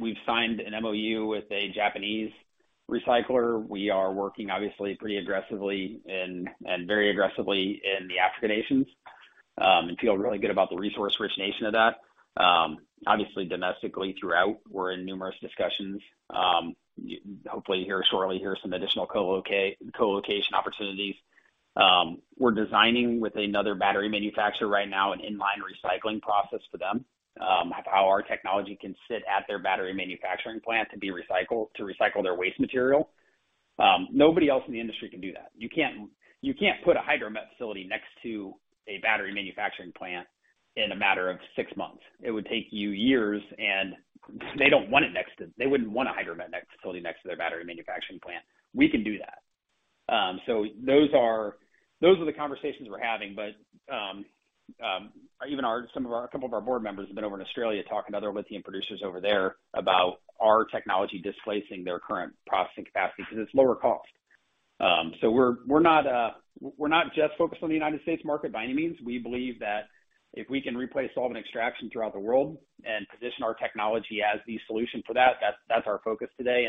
we've signed an MOU with a Japanese recycler. We are working obviously pretty aggressively and very aggressively in the African nations, and feel really good about the resource-rich nation of that. Obviously domestically throughout, we're in numerous discussions. Hopefully you hear shortly here some additional colocation opportunities. We're designing with another battery manufacturer right now an inline recycling process for them, of how our technology can sit at their battery manufacturing plant to recycle their waste material. Nobody else in the industry can do that. You can't put a HydroMet facility next to a battery manufacturing plant in a matter of six months. It would take you years. They don't want it next to. They wouldn't want a HydroMet facility next to their battery manufacturing plant. We can do that. Those are the conversations we're having. Even a couple of our board members have been over in Australia talking to other lithium producers over there about our technology displacing their current processing capacity because it's lower cost. We're not just focused on the United States market by any means. We believe that if we can replace solvent extraction throughout the world and position our technology as the solution for that's our focus today.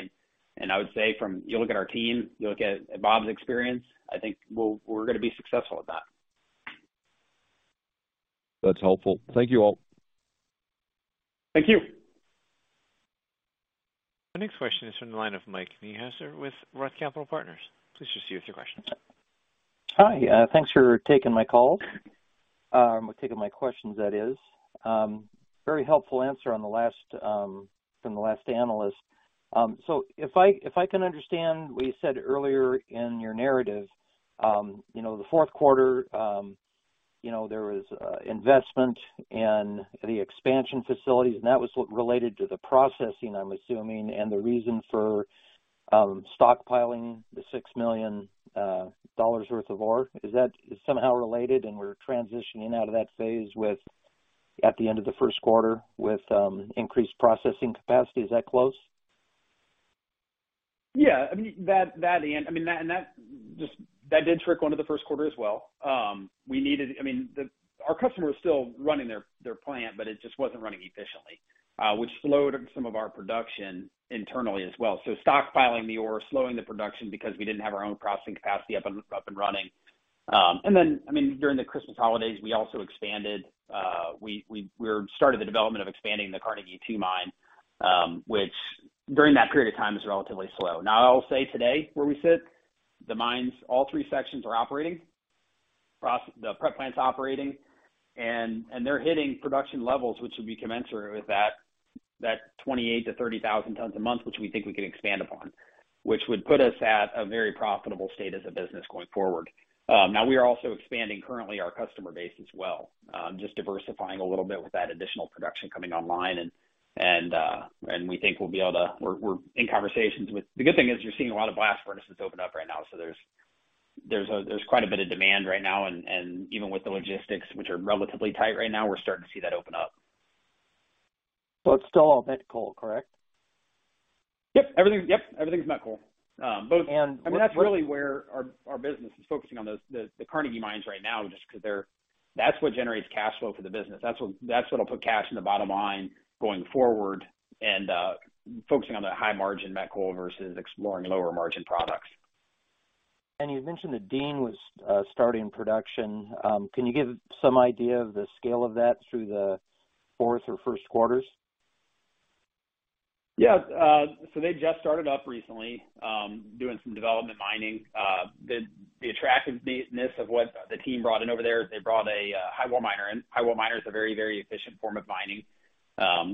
I would say from. You look at our team, you look at Bob's experience, I think we're gonna be successful at that. That's helpful. Thank you all. Thank you. The next question is from the line of Mike Niehuser with ROTH Capital Partners. Please just give us your questions. Hi. Thanks for taking my call. Taking my questions, that is. Very helpful answer on the last from the last analyst. If I can understand what you said earlier in your narrative, you know, the fourth quarter, you know, there was investment in the expansion facilities, and that was what related to the processing, I'm assuming, and the reason for stockpiling the $6 million worth of ore. Is that somehow related and we're transitioning out of that phase with, at the end of the first quarter with increased processing capacity? Is that close? Yeah. I mean, that, and I mean, that and that did trick 1 of the first quarter as well. I mean, our customer was still running their plant, but it just wasn't running efficiently, which slowed some of our production internally as well. Stockpiling the ore, slowing the production because we didn't have our own processing capacity up and running. I mean, during the Christmas holidays, we also expanded, we started the development of expanding the Carnegie 2 mine, which during that period of time is relatively slow. Now, I'll say today, where we sit, the mines, all three sections are operating, the prep plant's operating, and they're hitting production levels, which would be commensurate with that 28,000-30,000 tons a month, which we think we can expand upon. Which would put us at a very profitable state as a business going forward. Now we are also expanding currently our customer base as well. Just diversifying a little bit with that additional production coming online and We're in conversations with. The good thing is you're seeing a lot of blast furnaces open up right now, there's quite a bit of demand right now, and even with the logistics, which are relatively tight right now, we're starting to see that open up. Still all met coal, correct? Yep, everything's met coal. And what- I mean, that's really where our business is focusing on those, the Carnegie mines right now, just 'cause that's what generates cash flow for the business. That's what'll put cash in the bottom line going forward and focusing on the high margin met coal versus exploring lower margin products. You mentioned that Deane Mining complex was starting production. Can you give some idea of the scale of that through the fourth or first quarters? Yeah. They just started up recently, doing some development mining. The attractiveness of what the team brought in over there is they brought a highwall miner in. Highwall miner is a very efficient form of mining,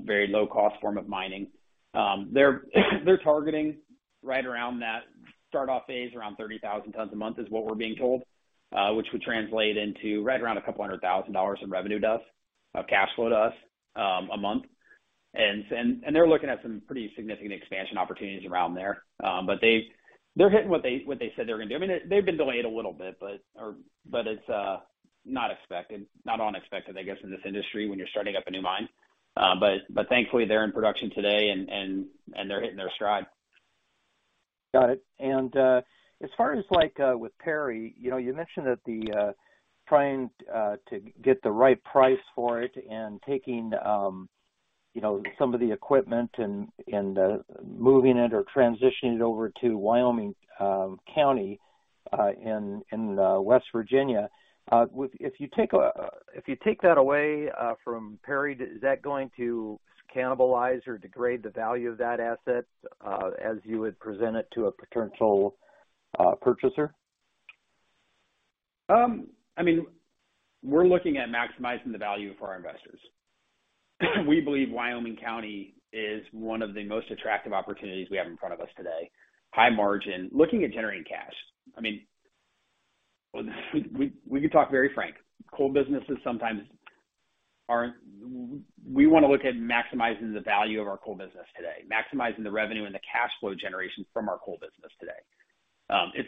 very low-cost form of mining. They're targeting right around that start off phase, around 30,000 tons a month is what we're being told, which would translate into right around $200,000 in revenue to us, of cash flow to us, a month. They're looking at some pretty significant expansion opportunities around there. They're hitting what they said they were gonna do. I mean, they've been delayed a little bit, but it's not unexpected, I guess, in this industry when you're starting up a new mine. Thankfully they're in production today and they're hitting their stride. Got it. As far as like, with Perry, you know, you mentioned that the trying to get the right price for it and taking, you know, some of the equipment and moving it or transitioning it over to Wyoming County, in West Virginia. If you take that away from Perry, is that going to cannibalize or degrade the value of that asset, as you would present it to a potential purchaser? We're looking at maximizing the value for our investors. We believe Wyoming County is one of the most attractive opportunities we have in front of us today. High margin, looking at generating cash. We can talk very frank. Coal businesses sometimes aren't. We want to look at maximizing the value of our coal business today, maximizing the revenue and the cash flow generation from our coal business today.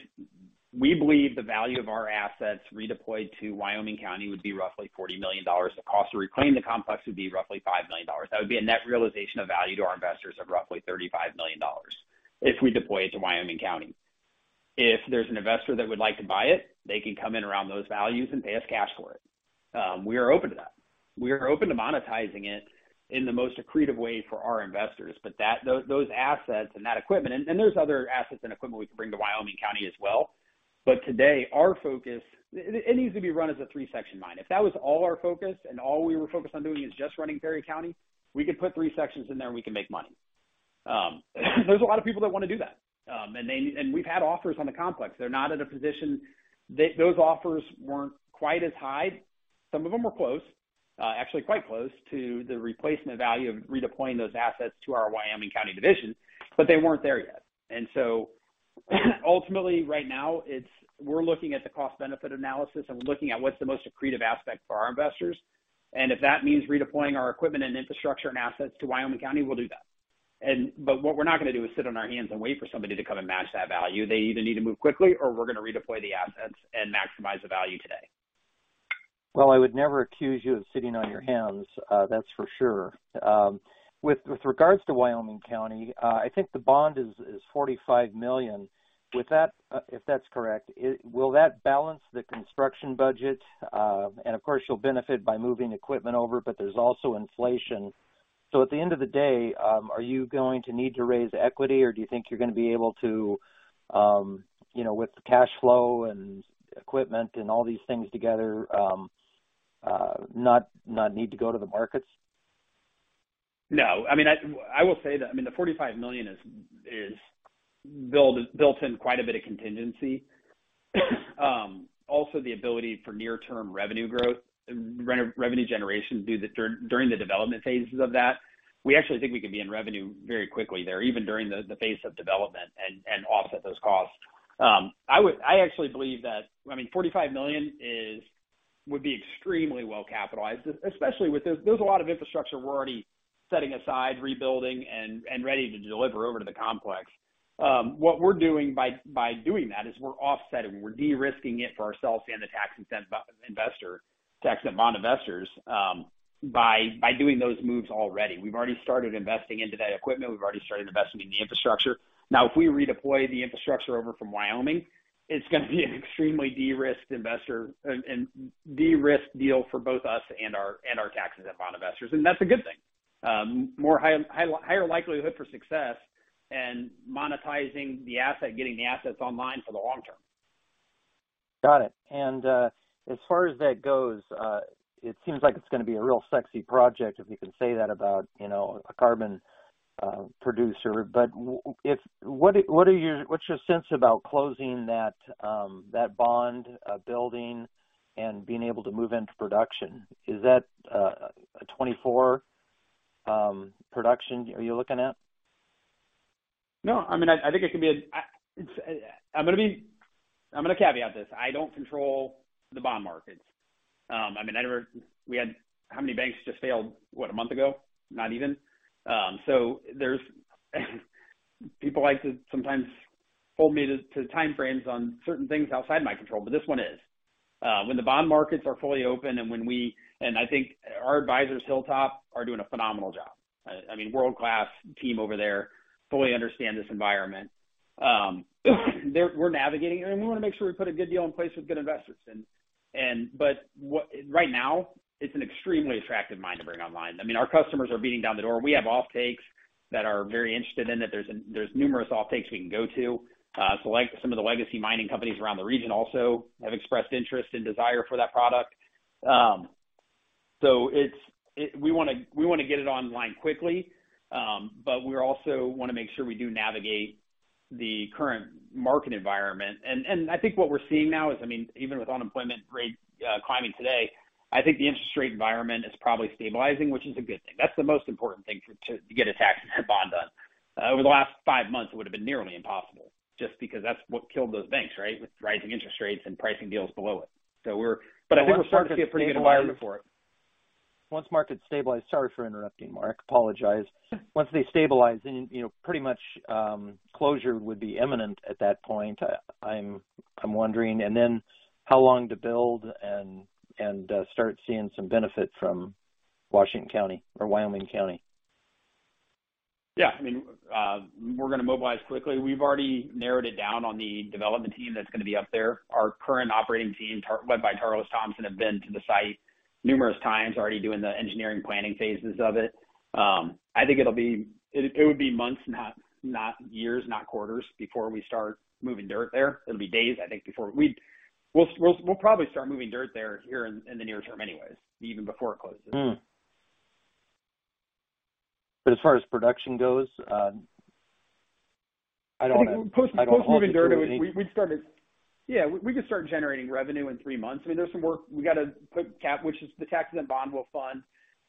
We believe the value of our assets redeployed to Wyoming County would be roughly $40 million. The cost to reclaim the complex would be roughly $5 million. That would be a net realization of value to our investors of roughly $35 million if we deploy it to Wyoming County. If there's an investor that would like to buy it, they can come in around those values and pay us cash for it. We are open to that. We are open to monetizing it in the most accretive way for our investors. Those assets and that equipment. There's other assets and equipment we can bring to Wyoming County as well. Today, our focus. It needs to be run as a three-section mine. If that was all our focus and all we were focused on doing is just running Perry County, we could put three sections in there, and we can make money. There's a lot of people that want to do that. We've had offers on the complex. They're not at a position. Those offers weren't quite as high. Some of them were close, actually quite close to the replacement value of redeploying those assets to our Wyoming County division, but they weren't there yet. Ultimately, right now, we're looking at the cost-benefit analysis, and we're looking at what's the most accretive aspect for our investors. If that means redeploying our equipment and infrastructure and assets to Wyoming County, we'll do that. What we're not gonna do is sit on our hands and wait for somebody to come and match that value. They either need to move quickly or we're gonna redeploy the assets and maximize the value today. Well, I would never accuse you of sitting on your hands, that's for sure. With regards to Wyoming County, I think the bond is $45 million. If that's correct, will that balance the construction budget? Of course, you'll benefit by moving equipment over, but there's also inflation. At the end of the day, are you going to need to raise equity, or do you think you're gonna be able to, you know, with the cash flow and equipment and all these things together, not need to go to the markets? No. I mean, I will say that, I mean, the $45 million is built in quite a bit of contingency. Also the ability for near-term revenue growth, re-revenue generation during the development phases of that. We actually think we could be in revenue very quickly there, even during the phase of development and offset those costs. I actually believe that, I mean, $45 million would be extremely well capitalized, especially with this. There's a lot of infrastructure we're already setting aside, rebuilding and ready to deliver over to the complex. What we're doing by doing that is we're offsetting, we're de-risking it for ourselves and the tax-exempt bond investors, by doing those moves already. We've already started investing into that equipment. We've already started investing in the infrastructure. Now, if we redeploy the infrastructure over from Wyoming, it's gonna be an extremely de-risked investor and de-risked deal for both us and our tax-exempt bond investors. That's a good thing. More higher likelihood for success and monetizing the asset, getting the assets online for the long term. Got it. As far as that goes, it seems like it's gonna be a real sexy project, if you can say that about, you know, a carbon producer. What's your sense about closing that bond building and being able to move into production? Is that a 2024 production are you looking at? No, I mean, I think it can be a I'm gonna caveat this. I don't control the bond markets. I mean, I never We had how many banks just failed, what, a month ago? Not even. There's People like to sometimes hold me to time frames on certain things outside my control, but this one is. When the bond markets are fully open and when we I think our advisors, Hilltop, are doing a phenomenal job. I mean, world-class team over there, fully understand this environment. They're navigating, and we want to make sure we put a good deal in place with good investors. Right now, it's an extremely attractive mine to bring online. I mean, our customers are beating down the door. We have offtakes that are very interested in it. There's numerous offtakes we can go to. Some of the legacy mining companies around the region also have expressed interest and desire for that product. We wanna get it online quickly, but we also wanna make sure we do navigate the current market environment. I think what we're seeing now is, I mean, even with unemployment rate climbing today, I think the interest rate environment is probably stabilizing, which is a good thing. That's the most important thing to get a tax-exempt bond done. Over the last five months, it would have been nearly impossible just because that's what killed those banks, right? With rising interest rates and pricing deals below it. I think we're starting to see a pretty environment for it. Once markets stabilize. Sorry for interrupting, Mark. Apologize. Once they stabilize, then, you know, pretty much, closure would be imminent at that point. I'm wondering and then how long to build and start seeing some benefit from Washington County or Wyoming County? I mean, we're gonna mobilize quickly. We've already narrowed it down on the development team that's gonna be up there. Our current operating team led by Tarlis Thompson, have been to the site numerous times already doing the engineering planning phases of it. I think it'll be. It would be months and not years, not quarters before we start moving dirt there. It'll be days, I think, before we'd. We'll probably start moving dirt there here in the near term anyways, even before it closes. As far as production goes, I don't. I think post moving dirt, I mean, Yeah, we can start generating revenue in three months. I mean, there's some work we gotta put CapEx, which is the taxes and bond will fund.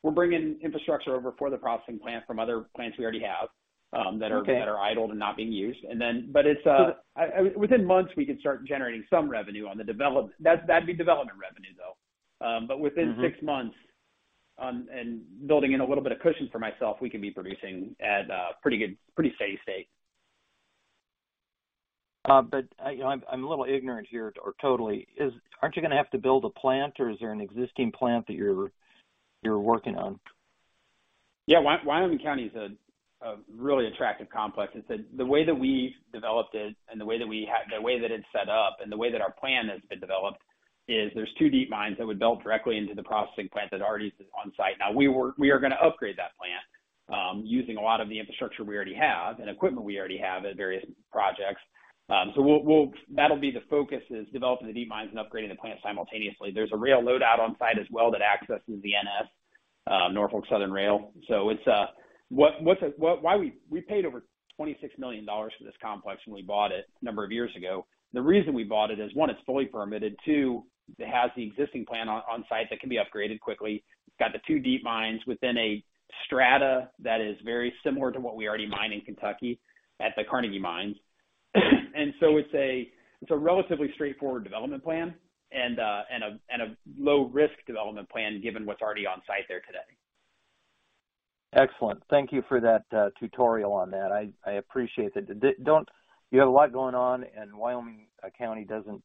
We're bringing infrastructure over for the processing plant from other plants we already have. Okay. that are idled and not being used. It's Within months, we can start generating some revenue on the develop. That'd be development revenue, though. Within 6 months, building in a little bit of cushion for myself, we can be producing at a pretty good, pretty steady state. I, you know, I'm a little ignorant here or totally. Aren't you gonna have to build a plant or is there an existing plant that you're working on? Yeah. Wyoming County is a really attractive complex. It's a The way that we've developed it and the way that it's set up and the way that our plan has been developed is there's two deep mines that would belt directly into the processing plant that already is on site. Now, we are gonna upgrade that plant, using a lot of the infrastructure we already have and equipment we already have at various projects. So we'll That'll be the focus is developing the deep mines and upgrading the plant simultaneously. There's a rail loadout on site as well that accesses the NS, Norfolk Southern Rail. It's Why we paid over $26 million for this complex when we bought it a number of years ago. The reason we bought it is, one, it's fully permitted. Two, it has the existing plant on site that can be upgraded quickly. It's got the two deep mines within a strata that is very similar to what we already mine in Kentucky at the Carnegie mines. It's a relatively straightforward development plan and a low risk development plan given what's already on site there today. Excellent. Thank you for that tutorial on that. I appreciate that. You have a lot going on, and Wyoming County doesn't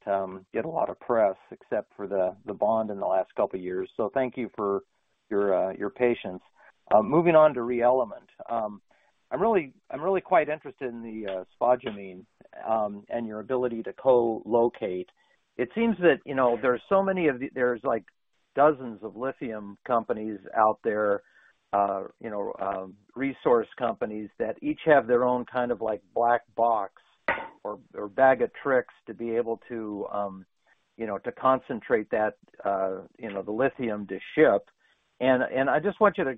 get a lot of press except for the bond in the last couple of years. Thank you for your patience. Moving on to ReElement. I'm really quite interested in the spodumene and your ability to co-locate. It seems that, you know, there are so many There's like dozens of lithium companies out there, you know, resource companies that each have their own kind of like black box or bag of tricks to be able to, you know, to concentrate that, you know, the lithium to ship. I just want you to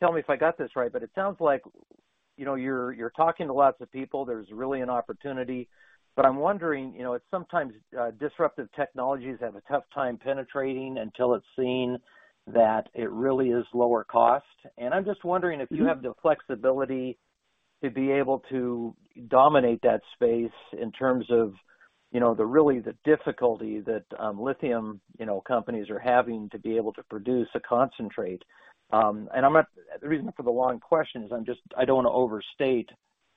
tell me if I got this right, but it sounds like, you know, you're talking to lots of people. There's really an opportunity. I'm wondering, you know, it's sometimes disruptive technologies have a tough time penetrating until it's seen that it really is lower cost. I'm just wondering if you have the flexibility to be able to dominate that space in terms of, you know, the really, the difficulty that lithium, you know, companies are having to be able to produce a concentrate. I'm not. The reason for the long question is I'm just, I don't wanna overstate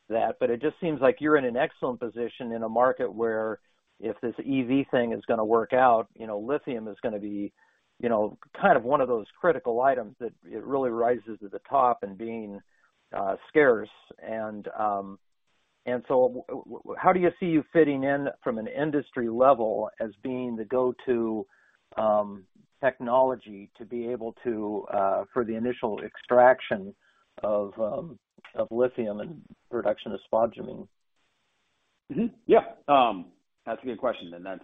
that, but it just seems like you're in an excellent position in a market where if this EV thing is gonna work out, you know, lithium is gonna be, you know, kind of one of those critical items that it really rises to the top and being scarce. How do you see you fitting in from an industry level as being the go-to technology to be able to for the initial extraction of lithium and production of spodumene? Yeah. That's a good question. That's,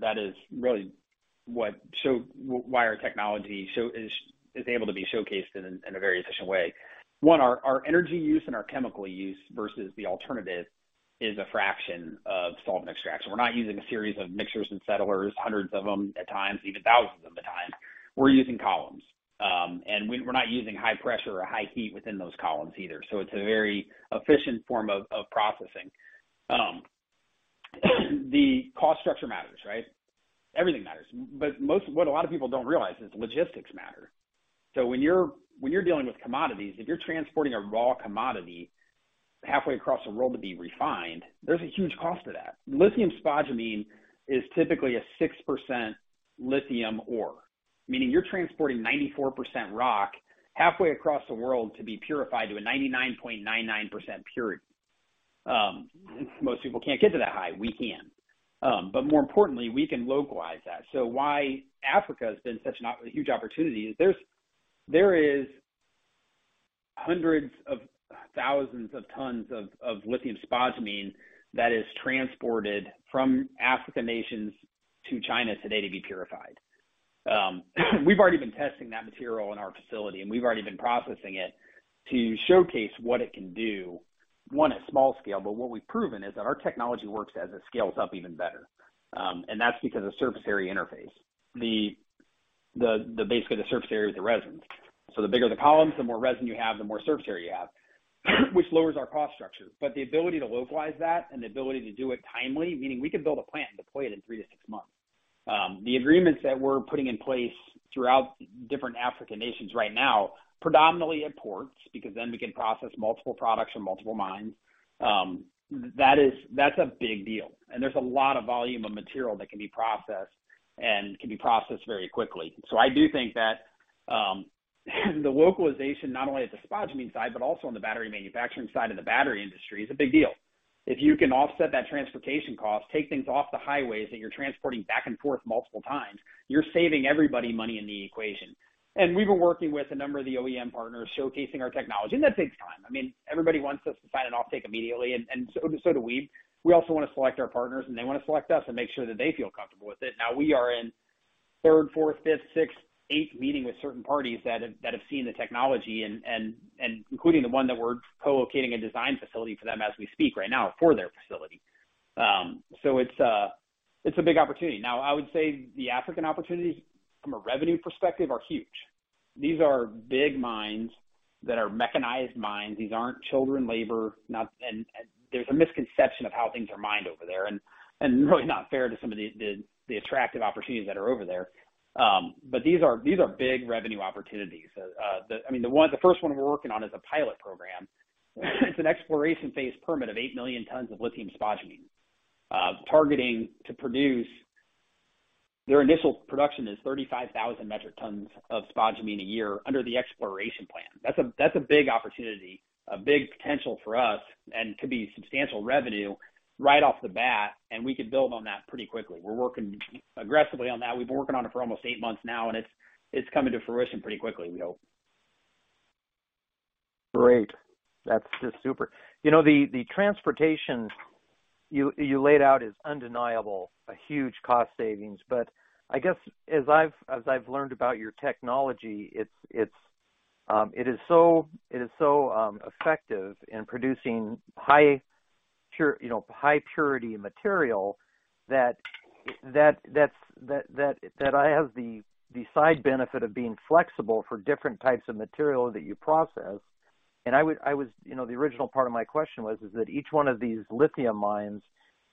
that is really why our technology show is able to be showcased in a very efficient way. One, our energy use and our chemical use versus the alternative is a fraction of solvent extraction. We're not using a series of mixers and settlers, hundreds of them at times, even thousands of them at times. We're using columns. We're not using high pressure or high heat within those columns either. It's a very efficient form of processing. The cost structure matters, right? Everything matters. What a lot of people don't realize is logistics matter. When you're dealing with commodities, if you're transporting a raw commodity halfway across the world to be refined, there's a huge cost to that. Lithium spodumene is typically a 6% lithium ore, meaning you're transporting 94% rock halfway across the world to be purified to a 99.99% purity. Most people can't get to that high. We can. More importantly, we can localize that. Why Africa has been such a huge opportunity is there is hundreds of thousands of tons of lithium spodumene that is transported from African nations to China today to be purified. We've already been testing that material in our facility, and we've already been processing it to showcase what it can do, one, at small scale. What we've proven is that our technology works as it scales up even better. And that's because of surface area interface. Basically the surface area of the resin. The bigger the columns, the more resin you have, the more surface area you have, which lowers our cost structure. The ability to localize that and the ability to do it timely, meaning we could build a plant and deploy it in three-six months. The agreements that we're putting in place throughout different African nations right now, predominantly at ports, because then we can process multiple products from multiple mines, that is, that's a big deal. There's a lot of volume of material that can be processed and can be processed very quickly. I do think that, the localization not only at the spodumene side, but also on the battery manufacturing side and the battery industry is a big deal. If you can offset that transportation cost, take things off the highways that you're transporting back and forth multiple times, you're saving everybody money in the equation. We've been working with a number of the OEM partners showcasing our technology, and that takes time. I mean, everybody wants us to sign an offtake immediately, and so do we. We also want to select our partners, and they want to select us and make sure that they feel comfortable with it. Now we are in third, fourth, fifth, sixth, eighth meeting with certain parties that have seen the technology and including the one that we're co-locating a design facility for them as we speak right now for their facility. It's a big opportunity. Now, I would say the African opportunities from a revenue perspective are huge. These are big mines that are mechanized mines. These aren't children labor, and there's a misconception of how things are mined over there. Really not fair to some of the attractive opportunities that are over there. These are big revenue opportunities. I mean, the one, the first one we're working on is a pilot program. It's an exploration phase permit of 8 million tons of lithium spodumene, targeting to produce... Their initial production is 35,000 metric tons of spodumene a year under the exploration plan. That's a big opportunity, a big potential for us, and could be substantial revenue right off the bat, and we could build on that pretty quickly. We're working aggressively on that. We've been working on it for almost 8 months now, and it's coming to fruition pretty quickly, we hope. Great. That's just super. You know, the transportation you laid out is undeniable, a huge cost savings. I guess as I've, as I've learned about your technology, it's, it is so, effective in producing high purity, you know, high purity material that I have the side benefit of being flexible for different types of material that you process. You know, the original part of my question was, is that each one of these lithium mines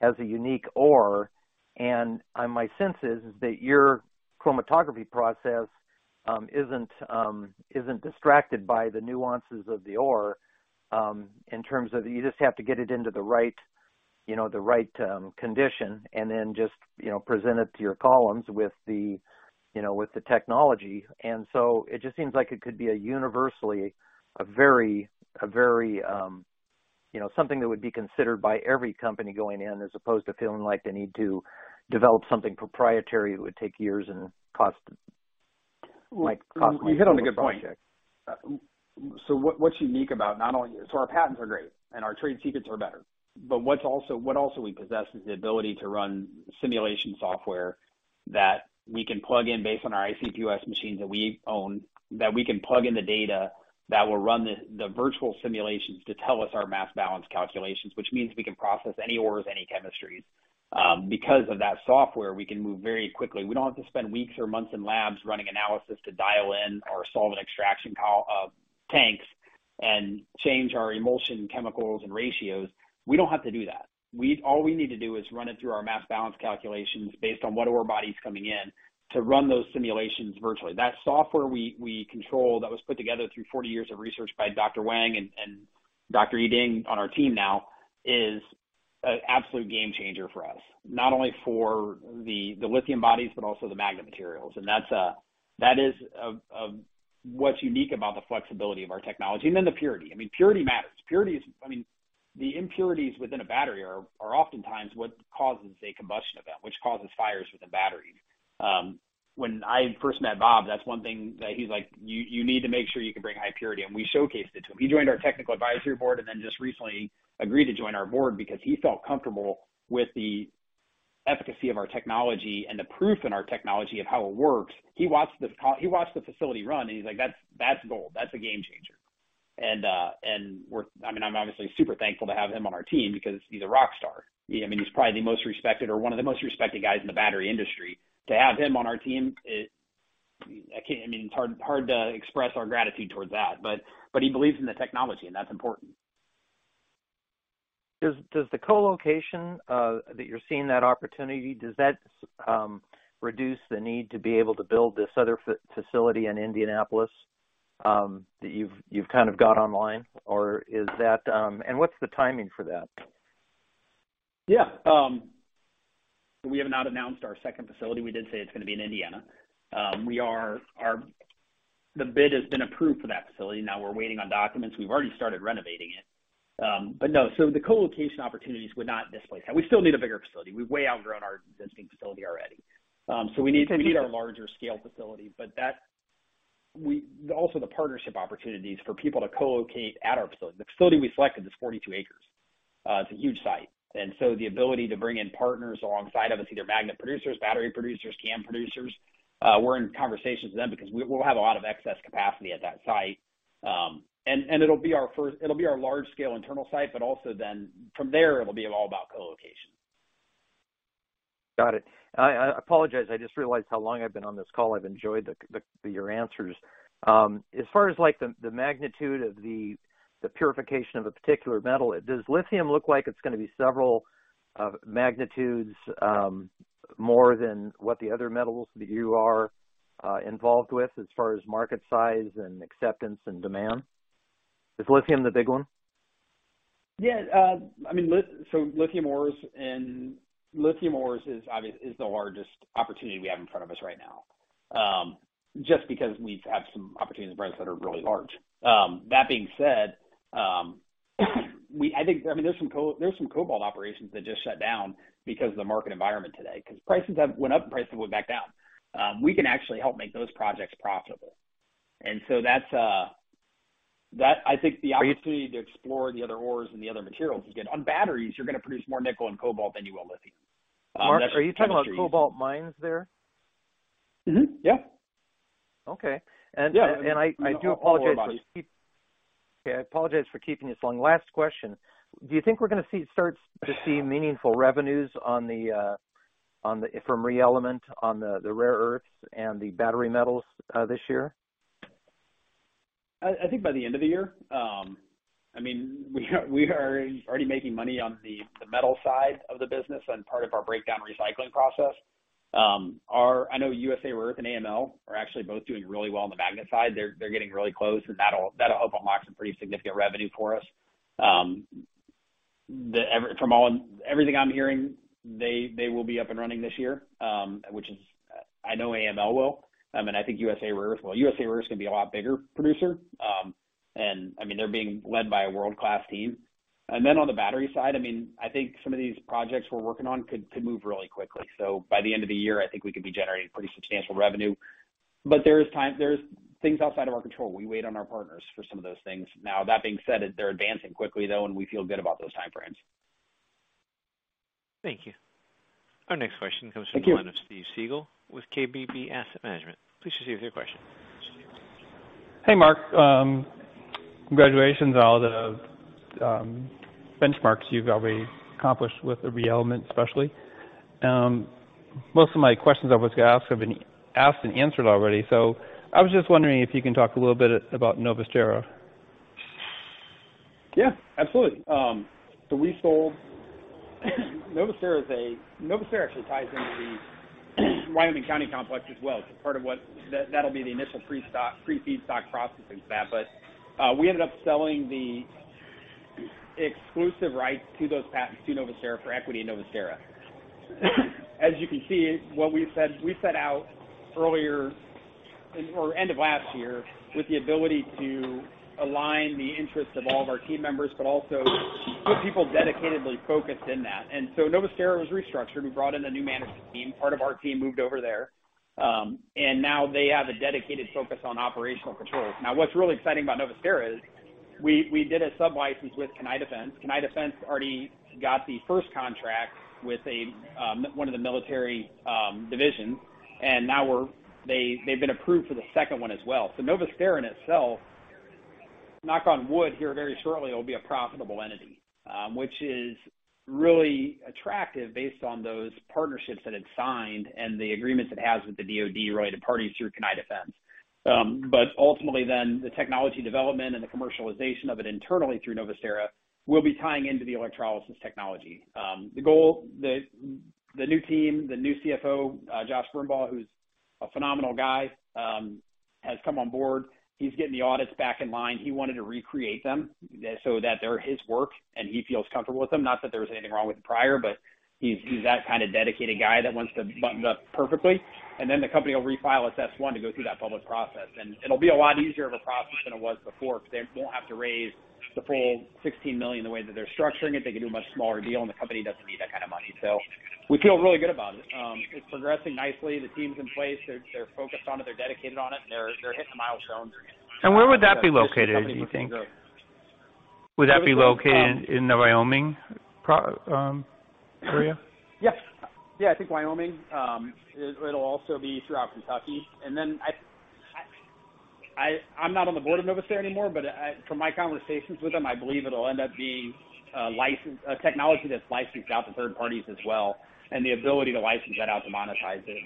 has a unique ore. My sense is that your chromatography process, isn't distracted by the nuances of the ore, in terms of you just have to get it into the right, you know, the right condition and then just, you know, present it to your columns with the, you know, with the technology. It just seems like it could be a universally, a very, you know, something that would be considered by every company going in, as opposed to feeling like they need to develop something proprietary that would take years and cost, like cost millions of dollars. You hit on a good point. Our patents are great, and our trade secrets are better. What also we possess is the ability to run simulation software that we can plug in based on our ICP-MS machines that we own, that we can plug in the data that will run the virtual simulations to tell us our mass balance calculations, which means we can process any ores, any chemistries. Because of that software, we can move very quickly. We don't have to spend weeks or months in labs running analysis to dial in or solve an extraction tanks and change our emulsion chemicals and ratios. We don't have to do that. All we need to do is run it through our mass balance calculations based on what ore body is coming in to run those simulations virtually. That software we control that was put together through 40 years of research by Dr. Wang and Dr. Yi Ding on our team now is an absolute game changer for us, not only for the lithium bodies, but also the magnet materials. That's what's unique about the flexibility of our technology. Then the purity. I mean, purity matters. I mean, the impurities within a battery are oftentimes what causes a combustion event, which causes fires within batteries. When I first met Bob, that's one thing that he's like, "You need to make sure you can bring high purity." We showcased it to him. He joined our technical advisory board and then just recently agreed to join our board because he felt comfortable with the efficacy of our technology and the proof in our technology of how it works. He watched the facility run, and he's like, "That's, that's gold. That's a game changer." I mean, I'm obviously super thankful to have him on our team because he's a rock star. I mean, he's probably the most respected or one of the most respected guys in the battery industry. To have him on our team, it, I mean, it's hard to express our gratitude towards that, but he believes in the technology, and that's important. Does the co-location, that you're seeing that opportunity, does that reduce the need to be able to build this other facility in Indianapolis, that you've kind of got online? Or is that? What's the timing for that? Yeah. We have not announced our second facility. We did say it's gonna be in Indiana. The bid has been approved for that facility. Now we're waiting on documents. We've already started renovating it. No. The co-location opportunities would not displace that. We still need a bigger facility. We've way outgrown our existing facility already. We need- Interesting. We need our larger scale facility. Also, the partnership opportunities for people to co-locate at our facility. The facility we selected is 42 acres. It's a huge site. The ability to bring in partners alongside of us, either magnet producers, battery producers, CAM producers, we're in conversations with them because we'll have a lot of excess capacity at that site. It'll be our large scale internal site. From there it'll be all about co-location. Got it. I apologize. I just realized how long I've been on this call. I've enjoyed your answers. As far as like the magnitude of the purification of a particular metal, does lithium look like it's gonna be several magnitudes more than what the other metals that you are involved with as far as market size and acceptance and demand? Is lithium the big one? Yeah. I mean, so lithium ores and... Lithium ores is the largest opportunity we have in front of us right now. Just because we have some opportunities and brands that are really large. That being said, I think, I mean, there's some cobalt operations that just shut down because of the market environment today, 'cause prices have went up and prices went back down. We can actually help make those projects profitable. So that's, I think the opportunity to explore the other ores and the other materials is good. On batteries, you're gonna produce more nickel and cobalt than you will lithium. That's. Mark, are you talking about cobalt mines there? Yeah. Okay. Yeah. I do apologize for keeping you so long. Last question. Do you think we're gonna start to see meaningful revenues from ReElement on the rare earths and the battery metals this year? I think by the end of the year. I mean, we are already making money on the metal side of the business on part of our breakdown recycling process. I know USA Rare Earth and AML are actually both doing really well on the magnet side. They're getting really close, and that'll help unlock some pretty significant revenue for us. Everything I'm hearing, they will be up and running this year, which is, I know AML will. I think USA Rare Earth... Well, USA Rare Earth is gonna be a lot bigger producer. I mean, they're being led by a world-class team. On the battery side, I mean, I think some of these projects we're working on could move really quickly. By the end of the year, I think we could be generating pretty substantial revenue. There's things outside of our control. We wait on our partners for some of those things. That being said, they're advancing quickly, though, and we feel good about those time frames. Thank you. Our next question comes. Thank you. the line of Steven Segal with KBB Asset Management. Please proceed with your question. Hey, Mark. Congratulations on all the benchmarks you've already accomplished with the ReElement, especially. Most of my questions I was gonna ask have been asked and answered already. I was just wondering if you can talk a little bit about Novusterra. Yeah, absolutely. Novusterra actually ties into the Wyoming County complex as well. It's a part of what That'll be the initial pre-feedstock processing fab. We ended up selling the exclusive rights to those patents to Novusterra for equity in Novusterra. As you can see, what we said, we set out earlier in or end of last year with the ability to align the interests of all of our team members, but also put people dedicatedly focused in that. Novusterra was restructured. We brought in a new management team. Part of our team moved over there. Now they have a dedicated focus on operational controls. Now, what's really exciting about Novusterra is we did a sub-license with KnightHawk Defense. KnightHawk Defense already got the first contract with a, one of the military divisions, they've been approved for the second one as well. Novusterra in itself, knock on wood, here very shortly, will be a profitable entity, which is really attractive based on those partnerships that it signed and the agreements it has with the DoD, right, and parties through KnightHawk Defense. Ultimately then, the technology development and the commercialization of it internally through Novusterra will be tying into the electrolysis technology. The goal. The new team, the new CFO, Josh Brumbaugh, who's a phenomenal guy, has come on board. He's getting the audits back in line. He wanted to recreate them so that they're his work, and he feels comfortable with them. Not that there was anything wrong with the prior, but he's that kind of dedicated guy that wants to button it up perfectly. The company will refile its S-1 to go through that public process. It'll be a lot easier of a process than it was before because they won't have to raise the full $16 million the way that they're structuring it. They can do a much smaller deal, and the company doesn't need that kind of money. We feel really good about it. It's progressing nicely. The team's in place. They're focused on it. They're dedicated on it. They're hitting the milestones. Where would that be located, do you think? Would that be located in the Wyoming area? Yes. Yeah, I think Wyoming. It'll also be throughout Kentucky. I'm not on the board of Novusterra anymore, but from my conversations with them, I believe it'll end up being a technology that's licensed out to third parties as well, and the ability to license that out to monetize it.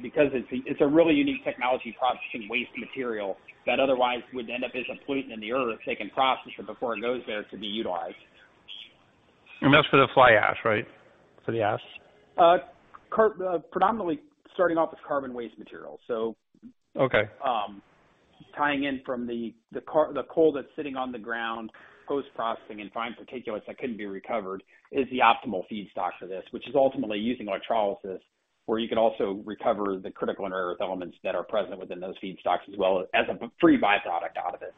It's a really unique technology processing waste material that otherwise would end up as a pollutant in the earth. It's taken processed before it goes there to be utilized. That's for the fly ash, right? For the ash? Predominantly starting off with carbon waste material, so. Okay. Tying in from the coal that's sitting on the ground, post-processing and fine particulates that couldn't be recovered is the optimal feedstock for this, which is ultimately using electrolysis, where you can also recover the critical and earth elements that are present within those feedstocks, as well as a free byproduct out of it.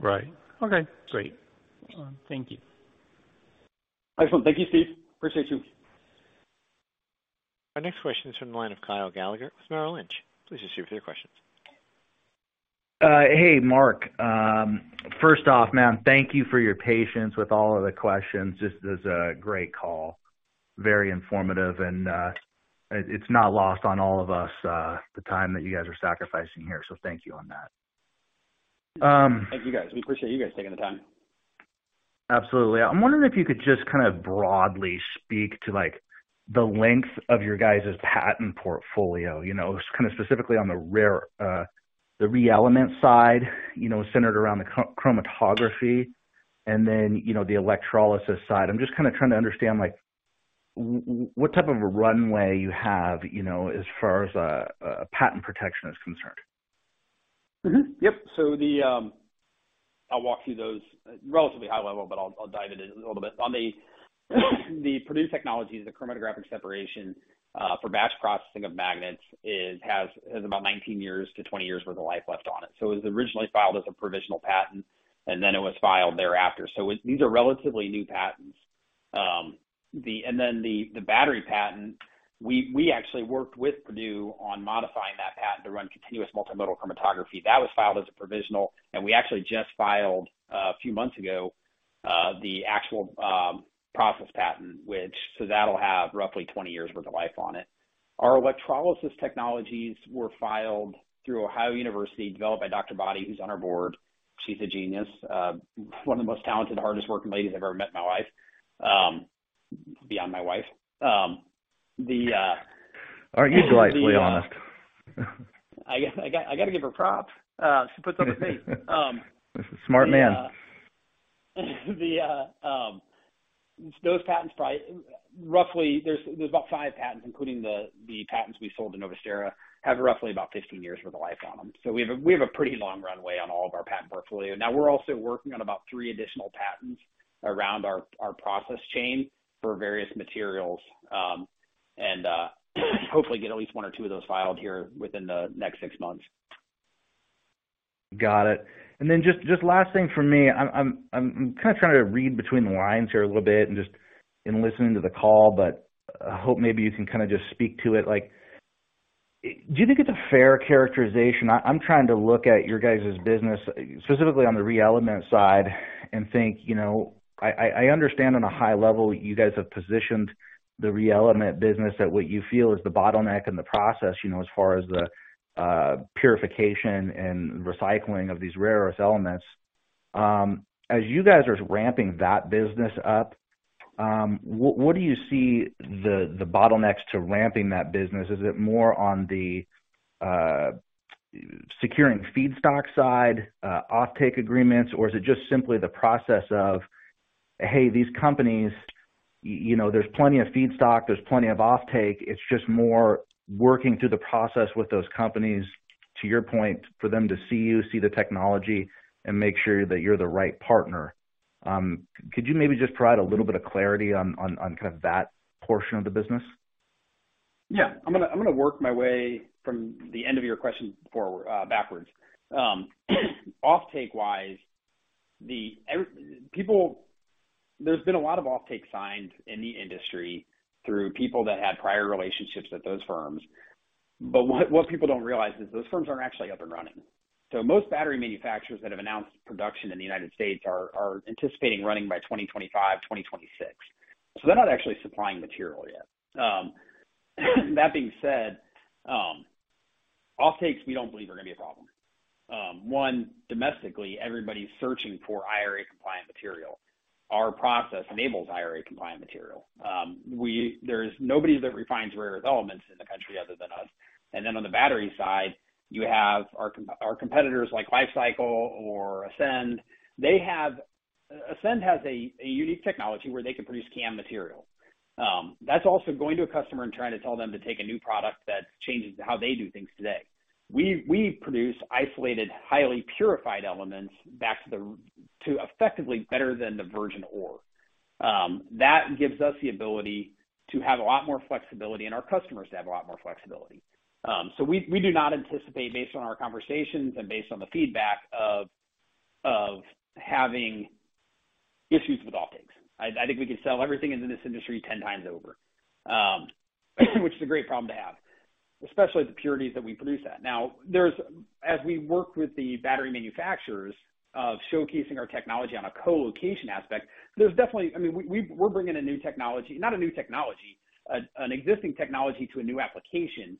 Right. Okay, great. Thank you. Excellent. Thank you, Steve. Appreciate you. Our next question is from the line of Kyle Gallagher with Merrill Lynch. Please proceed with your question. Hey, Mark. First off, man, thank you for your patience with all of the questions. This is a great call, very informative, and it's not lost on all of us, the time that you guys are sacrificing here. Thank you on that. Thank you, guys. We appreciate you guys taking the time. Absolutely. I'm wondering if you could just kinda broadly speak to, like, the length of your guys' patent portfolio. You know, just kinda specifically on the ReElement side, you know, centered around the chromatography and then, you know, the electrolysis side. I'm just kinda trying to understand, like, what type of a runway you have, you know, as far as patent protection is concerned. Yep. I'll walk through those relatively high level, but I'll dive into it a little bit. On the Purdue technology, the chromatographic separation for batch processing of magnets has about 19 years-20 years worth of life left on it. It was originally filed as a provisional patent, and then it was filed thereafter. These are relatively new patents. The battery patent, we actually worked with Purdue on modifying that patent to run continuous multimodal chromatography. That was filed as a provisional, we actually just filed, a few months ago, the actual process patent, which that'll have roughly 20 years worth of life on it. Our electrolysis technologies were filed through Ohio University, developed by Dr. Body, who's on our board. She's a genius. One of the most talented, hardest working ladies I've ever met in my life, beyond my wife. Aren't you delightfully honest? I gotta give her props. She puts up with me. Smart man. Those patents probably roughly there's about five patents, including the patents we sold to Novusterra, have roughly about 15 years worth of life on them. We have a pretty long runway on all of our patent portfolio. We're also working on about three additional patents around our process chain for various materials, and hopefully get at least one or two of those filed here within the next six months. Got it. Then just last thing for me, I'm kind of trying to read between the lines here a little bit and just in listening to the call, but I hope maybe you can kinda just speak to it. Like, do you think it's a fair characterization? I'm trying to look at your guys' business specifically on the ReElement side and think, you know, I understand on a high level you guys have positioned the ReElement business at what you feel is the bottleneck in the process, you know, as far as the purification and recycling of these rare earth elements. As you guys are ramping that business up, what do you see the bottlenecks to ramping that business? Is it more on the securing feedstock side, offtake agreements, or is it just simply the process of, hey, these companies, you know, there's plenty of feedstock, there's plenty of offtake, it's just more working through the process with those companies, to your point, for them to see you, see the technology and make sure that you're the right partner? Could you maybe just provide a little bit of clarity on kind of that portion of the business? Yeah. I'm gonna work my way from the end of your question forward, backwards. Offtake wise, people. There's been a lot of offtake signed in the industry through people that had prior relationships at those firms. What people don't realize is those firms aren't actually up and running. Most battery manufacturers that have announced production in the United States are anticipating running by 2025, 2026. They're not actually supplying material yet. That being said, offtakes we don't believe are gonna be a problem. One, domestically, everybody's searching for IRA compliant material. Our process enables IRA compliant material. There's nobody that refines rare earth elements in the country other than us. Then on the battery side, you have our competitors like Li-Cycle or Ascend. They have... Ascend Elements has a unique technology where they can produce CAM material. That's also going to a customer and trying to tell them to take a new product that changes how they do things today. We produce isolated, highly purified elements back to effectively better than the virgin ore. That gives us the ability to have a lot more flexibility and our customers to have a lot more flexibility. We do not anticipate based on our conversations and based on the feedback of having issues with offtakes. I think we can sell everything into this industry 10 times over, which is a great problem to have, especially the purities that we produce that. Now, as we work with the battery manufacturers of showcasing our technology on a co-location aspect, there's definitely... I mean, we're bringing a new technology, not a new technology, an existing technology to a new application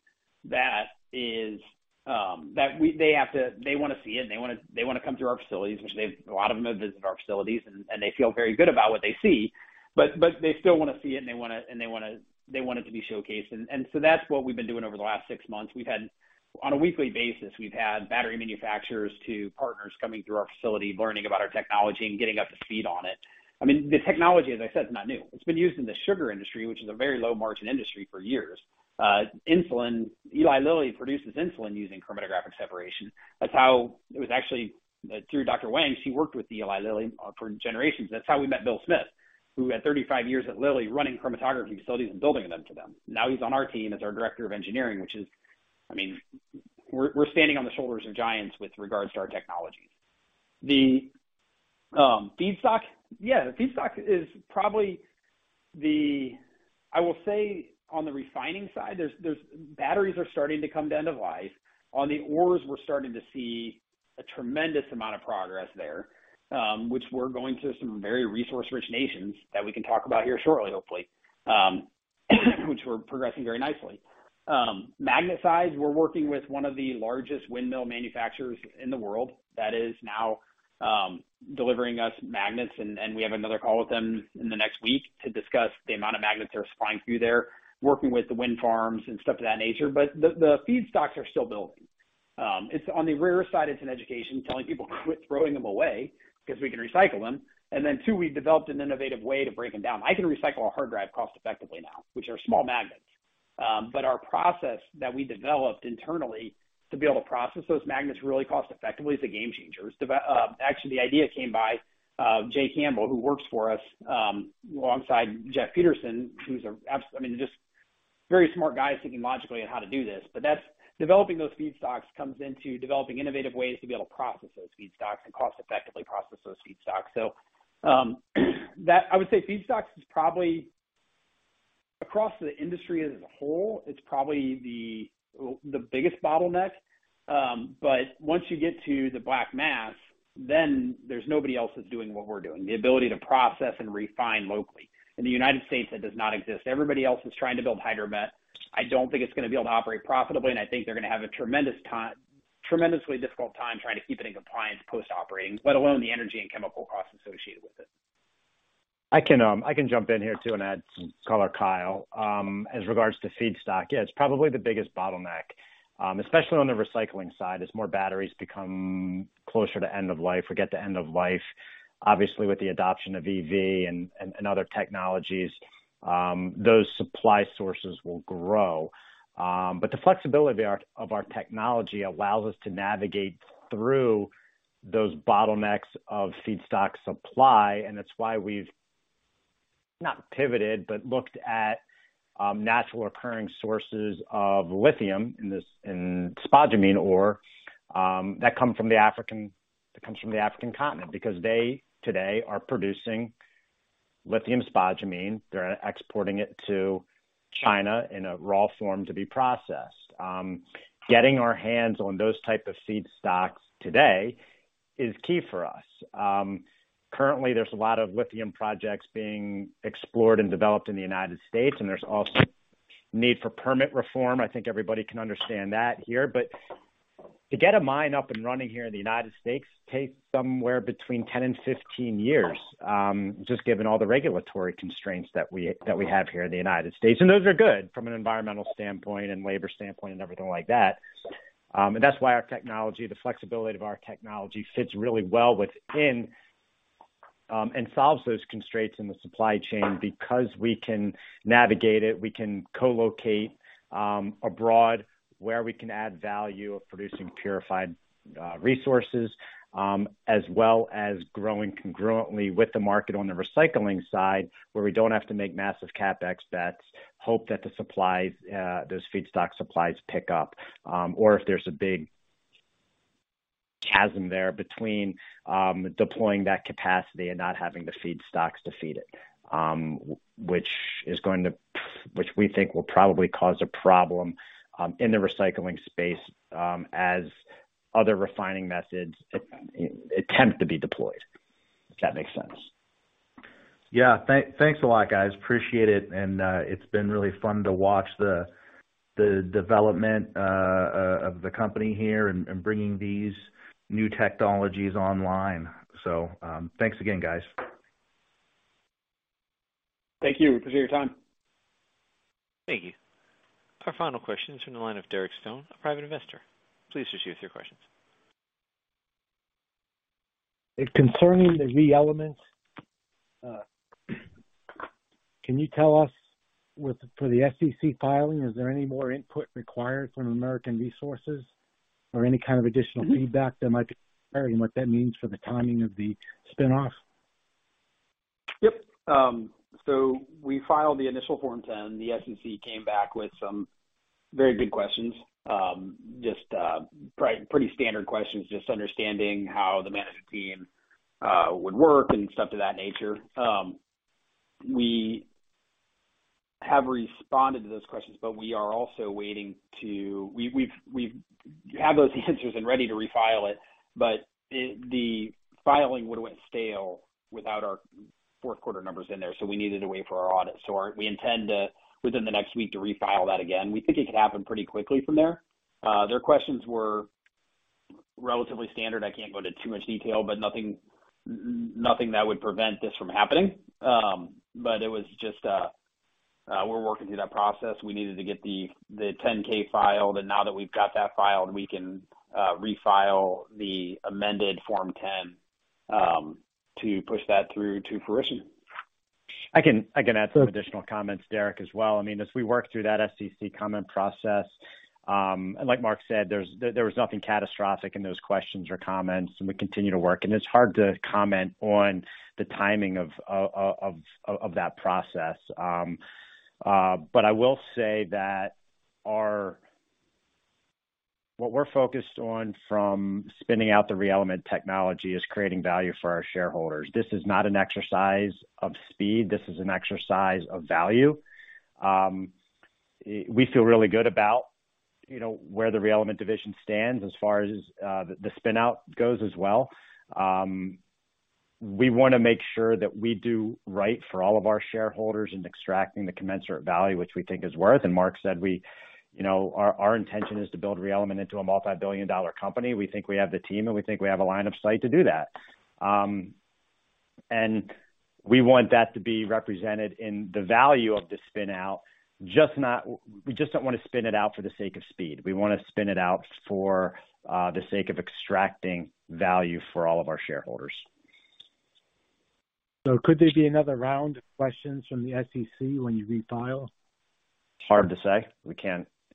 that is, they wanna see it, and they wanna come to our facilities, which a lot of them have visited our facilities and they feel very good about what they see. They still wanna see it and they wanna, they want it to be showcased. That's what we've been doing over the last six months. On a weekly basis, we've had battery manufacturers to partners coming through our facility, learning about our technology and getting up to speed on it. I mean, the technology, as I said, is not new. It's been used in the sugar industry, which is a very low margin industry, for years. insulin. Eli Lilly produces insulin using chromatographic separation. That's how it was actually through Dr. Wang's, he worked with Eli Lilly for generations. That's how we met Bill Smith, who had 35 years at Lilly running chromatography facilities and building them for them. Now he's on our team as our Director of Engineering, which is, I mean, we're standing on the shoulders of giants with regards to our technology. The feedstock. Yeah, the feedstock is probably. I will say on the refining side, there's batteries are starting to come to end of life. On the ores, we're starting to see a tremendous amount of progress there, which we're going to some very resource-rich nations that we can talk about here shortly, hopefully, which we're progressing very nicely. Magnet size, we're working with one of the largest windmill manufacturers in the world that is now delivering us magnets, and we have another call with them in the next week to discuss the amount of magnets they're supplying through there, working with the wind farms and stuff of that nature. The feedstocks are still building. It's on the rare side, it's an education, telling people to quit throwing them away because we can recycle them. Then two, we've developed an innovative way to break them down. I can recycle a hard drive cost-effectively now, which are small magnets. Our process that we developed internally to be able to process those magnets really cost effectively is a game changer. Actually, the idea came by Jay Campbell, who works for us, alongside Jeff Peterson, who's a I mean, just very smart guys thinking logically on how to do this. That's developing those feedstocks comes into developing innovative ways to be able to process those feedstocks and cost effectively process those feedstocks. That I would say feedstocks is probably across the industry as a whole, it's probably the biggest bottleneck. Once you get to the black mass, there's nobody else that's doing what we're doing. The ability to process and refine locally. In the United States, that does not exist. Everybody else is trying to build HydroMet. I don't think it's gonna be able to operate profitably, and I think they're gonna have a tremendously difficult time trying to keep it in compliance post-operating, let alone the energy and chemical costs associated with it. I can jump in here too and add some color, Kyle. As regards to feedstock, yeah, it's probably the biggest bottleneck. Especially on the recycling side, as more batteries become closer to end of life or get to end of life. Obviously, with the adoption of EV and other technologies, those supply sources will grow. The flexibility of our technology allows us to navigate through those bottlenecks of feedstock supply, and that's why we've, not pivoted, but looked at, natural occurring sources of lithium in this, in spodumene ore, that comes from the African continent. They today are producing lithium spodumene. They're exporting it to China in a raw form to be processed. Getting our hands on those type of feedstocks today is key for us. Currently, there's a lot of lithium projects being explored and developed in the United States, and there's also need for permit reform. I think everybody can understand that here. To get a mine up and running here in the United States takes somewhere between 10 and 15 years, just given all the regulatory constraints that we have here in the United States. Those are good from an environmental standpoint and labor standpoint and everything like that. That's why our technology, the flexibility of our technology fits really well within, and solves those constraints in the supply chain because we can navigate it. We can co-locate abroad, where we can add value of producing purified resources, as well as growing congruently with the market on the recycling side, where we don't have to make massive CapEx bets, hope that the supplies, those feedstock supplies pick up. Or if there's a big chasm there between deploying that capacity and not having the feedstocks to feed it, which is going to, which we think will probably cause a problem in the recycling space, as other refining methods attempt to be deployed, if that makes sense. Yeah. Thanks a lot, guys. Appreciate it. It's been really fun to watch the development of the company here and bringing these new technologies online. Thanks again, guys. Thank you. Appreciate your time. Thank you. Our final question is from the line of Derek Stone, a private investor. Please proceed with your questions. Concerning the ReElement, can you tell us for the SEC filing, is there any more input required from American Resources or any kind of additional feedback that might be required, and what that means for the timing of the spin-off? Yep. We filed the initial Form 10. The SEC came back with some very good questions. Just pretty standard questions, just understanding how the management team would work and stuff of that nature. We have responded to those questions, but we are also waiting to. We've had those answers and ready to refile it, but the filing would went stale without our fourth quarter numbers in there, so we needed to wait for our audit. We intend to, within the next week, to refile that again. We think it could happen pretty quickly from there. Their questions were relatively standard. I can't go into too much detail, but nothing that would prevent this from happening. It was just, we're working through that process. We needed to get the 10-K filed, and now that we've got that filed, we can refile the amended Form 10 to push that through to fruition. I can add some additional comments, Derek, as well. I mean, as we work through that SEC comment process, like Mark said, there was nothing catastrophic in those questions or comments. We continue to work. It's hard to comment on the timing of that process. I will say that what we're focused on from spinning out the ReElement Technologies is creating value for our shareholders. This is not an exercise of speed. This is an exercise of value. We feel really good about, you know, where the ReElement division stands as far as the spin-out goes as well. We wanna make sure that we do right for all of our shareholders in extracting the commensurate value, which we think is worth. Mark said, we, you know, our intention is to build ReElement into a multi-billion dollar company. We think we have the team, and we think we have a line of sight to do that. We want that to be represented in the value of the spin-out, we just don't want to spin it out for the sake of speed. We wanna spin it out for the sake of extracting value for all of our shareholders. Could there be another round of questions from the SEC when you refile? Hard to say.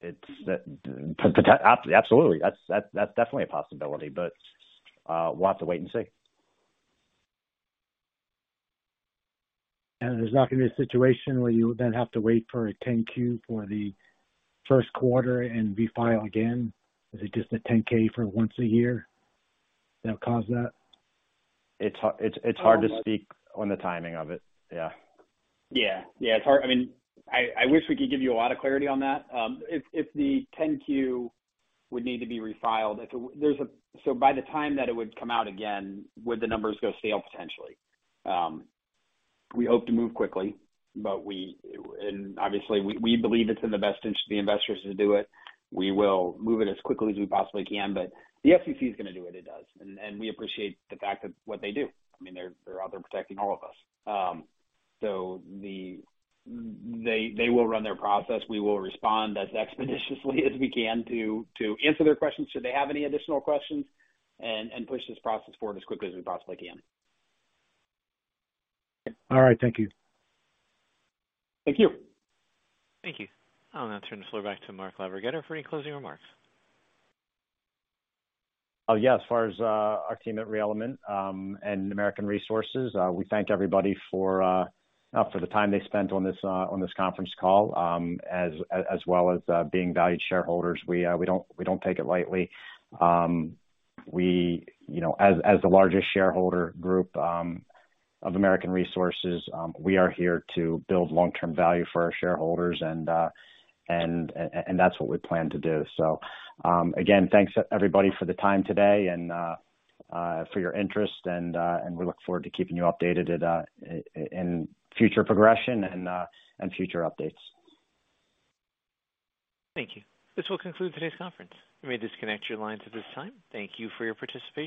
We can't... absolutely. That's definitely a possibility. We'll have to wait and see. There's not gonna be a situation where you'll then have to wait for a 10-Q for the first quarter and refile again. Is it just a 10-K for once a year that'll cause that? It's hard to speak on the timing of it. Yeah. Yeah. Yeah, it's hard. I mean, I wish we could give you a lot of clarity on that. If, if the 10-Q would need to be refiled, if there's a. By the time that it would come out again, would the numbers go stale, potentially? We hope to move quickly, but we. Obviously we believe it's in the best interest of the investors to do it. We will move it as quickly as we possibly can. The SEC is gonna do what it does, and we appreciate the fact that what they do. I mean, they're out there protecting all of us. They, they will run their process. We will respond as expeditiously as we can to answer their questions should they have any additional questions and push this process forward as quickly as we possibly can. All right. Thank you. Thank you. Thank you. I'll now turn the floor back to Mark LaVerghetta for any closing remarks. Oh, yeah. As far as our team at ReElement and American Resources, we thank everybody for the time they spent on this on this conference call. As well as being valued shareholders, we don't take it lightly. We, you know, as the largest shareholder group of American Resources, we are here to build long-term value for our shareholders and that's what we plan to do. Again, thanks everybody for the time today and for your interest and we look forward to keeping you updated at in future progression and future updates. Thank you. This will conclude today's conference. You may disconnect your lines at this time. Thank you for your participation.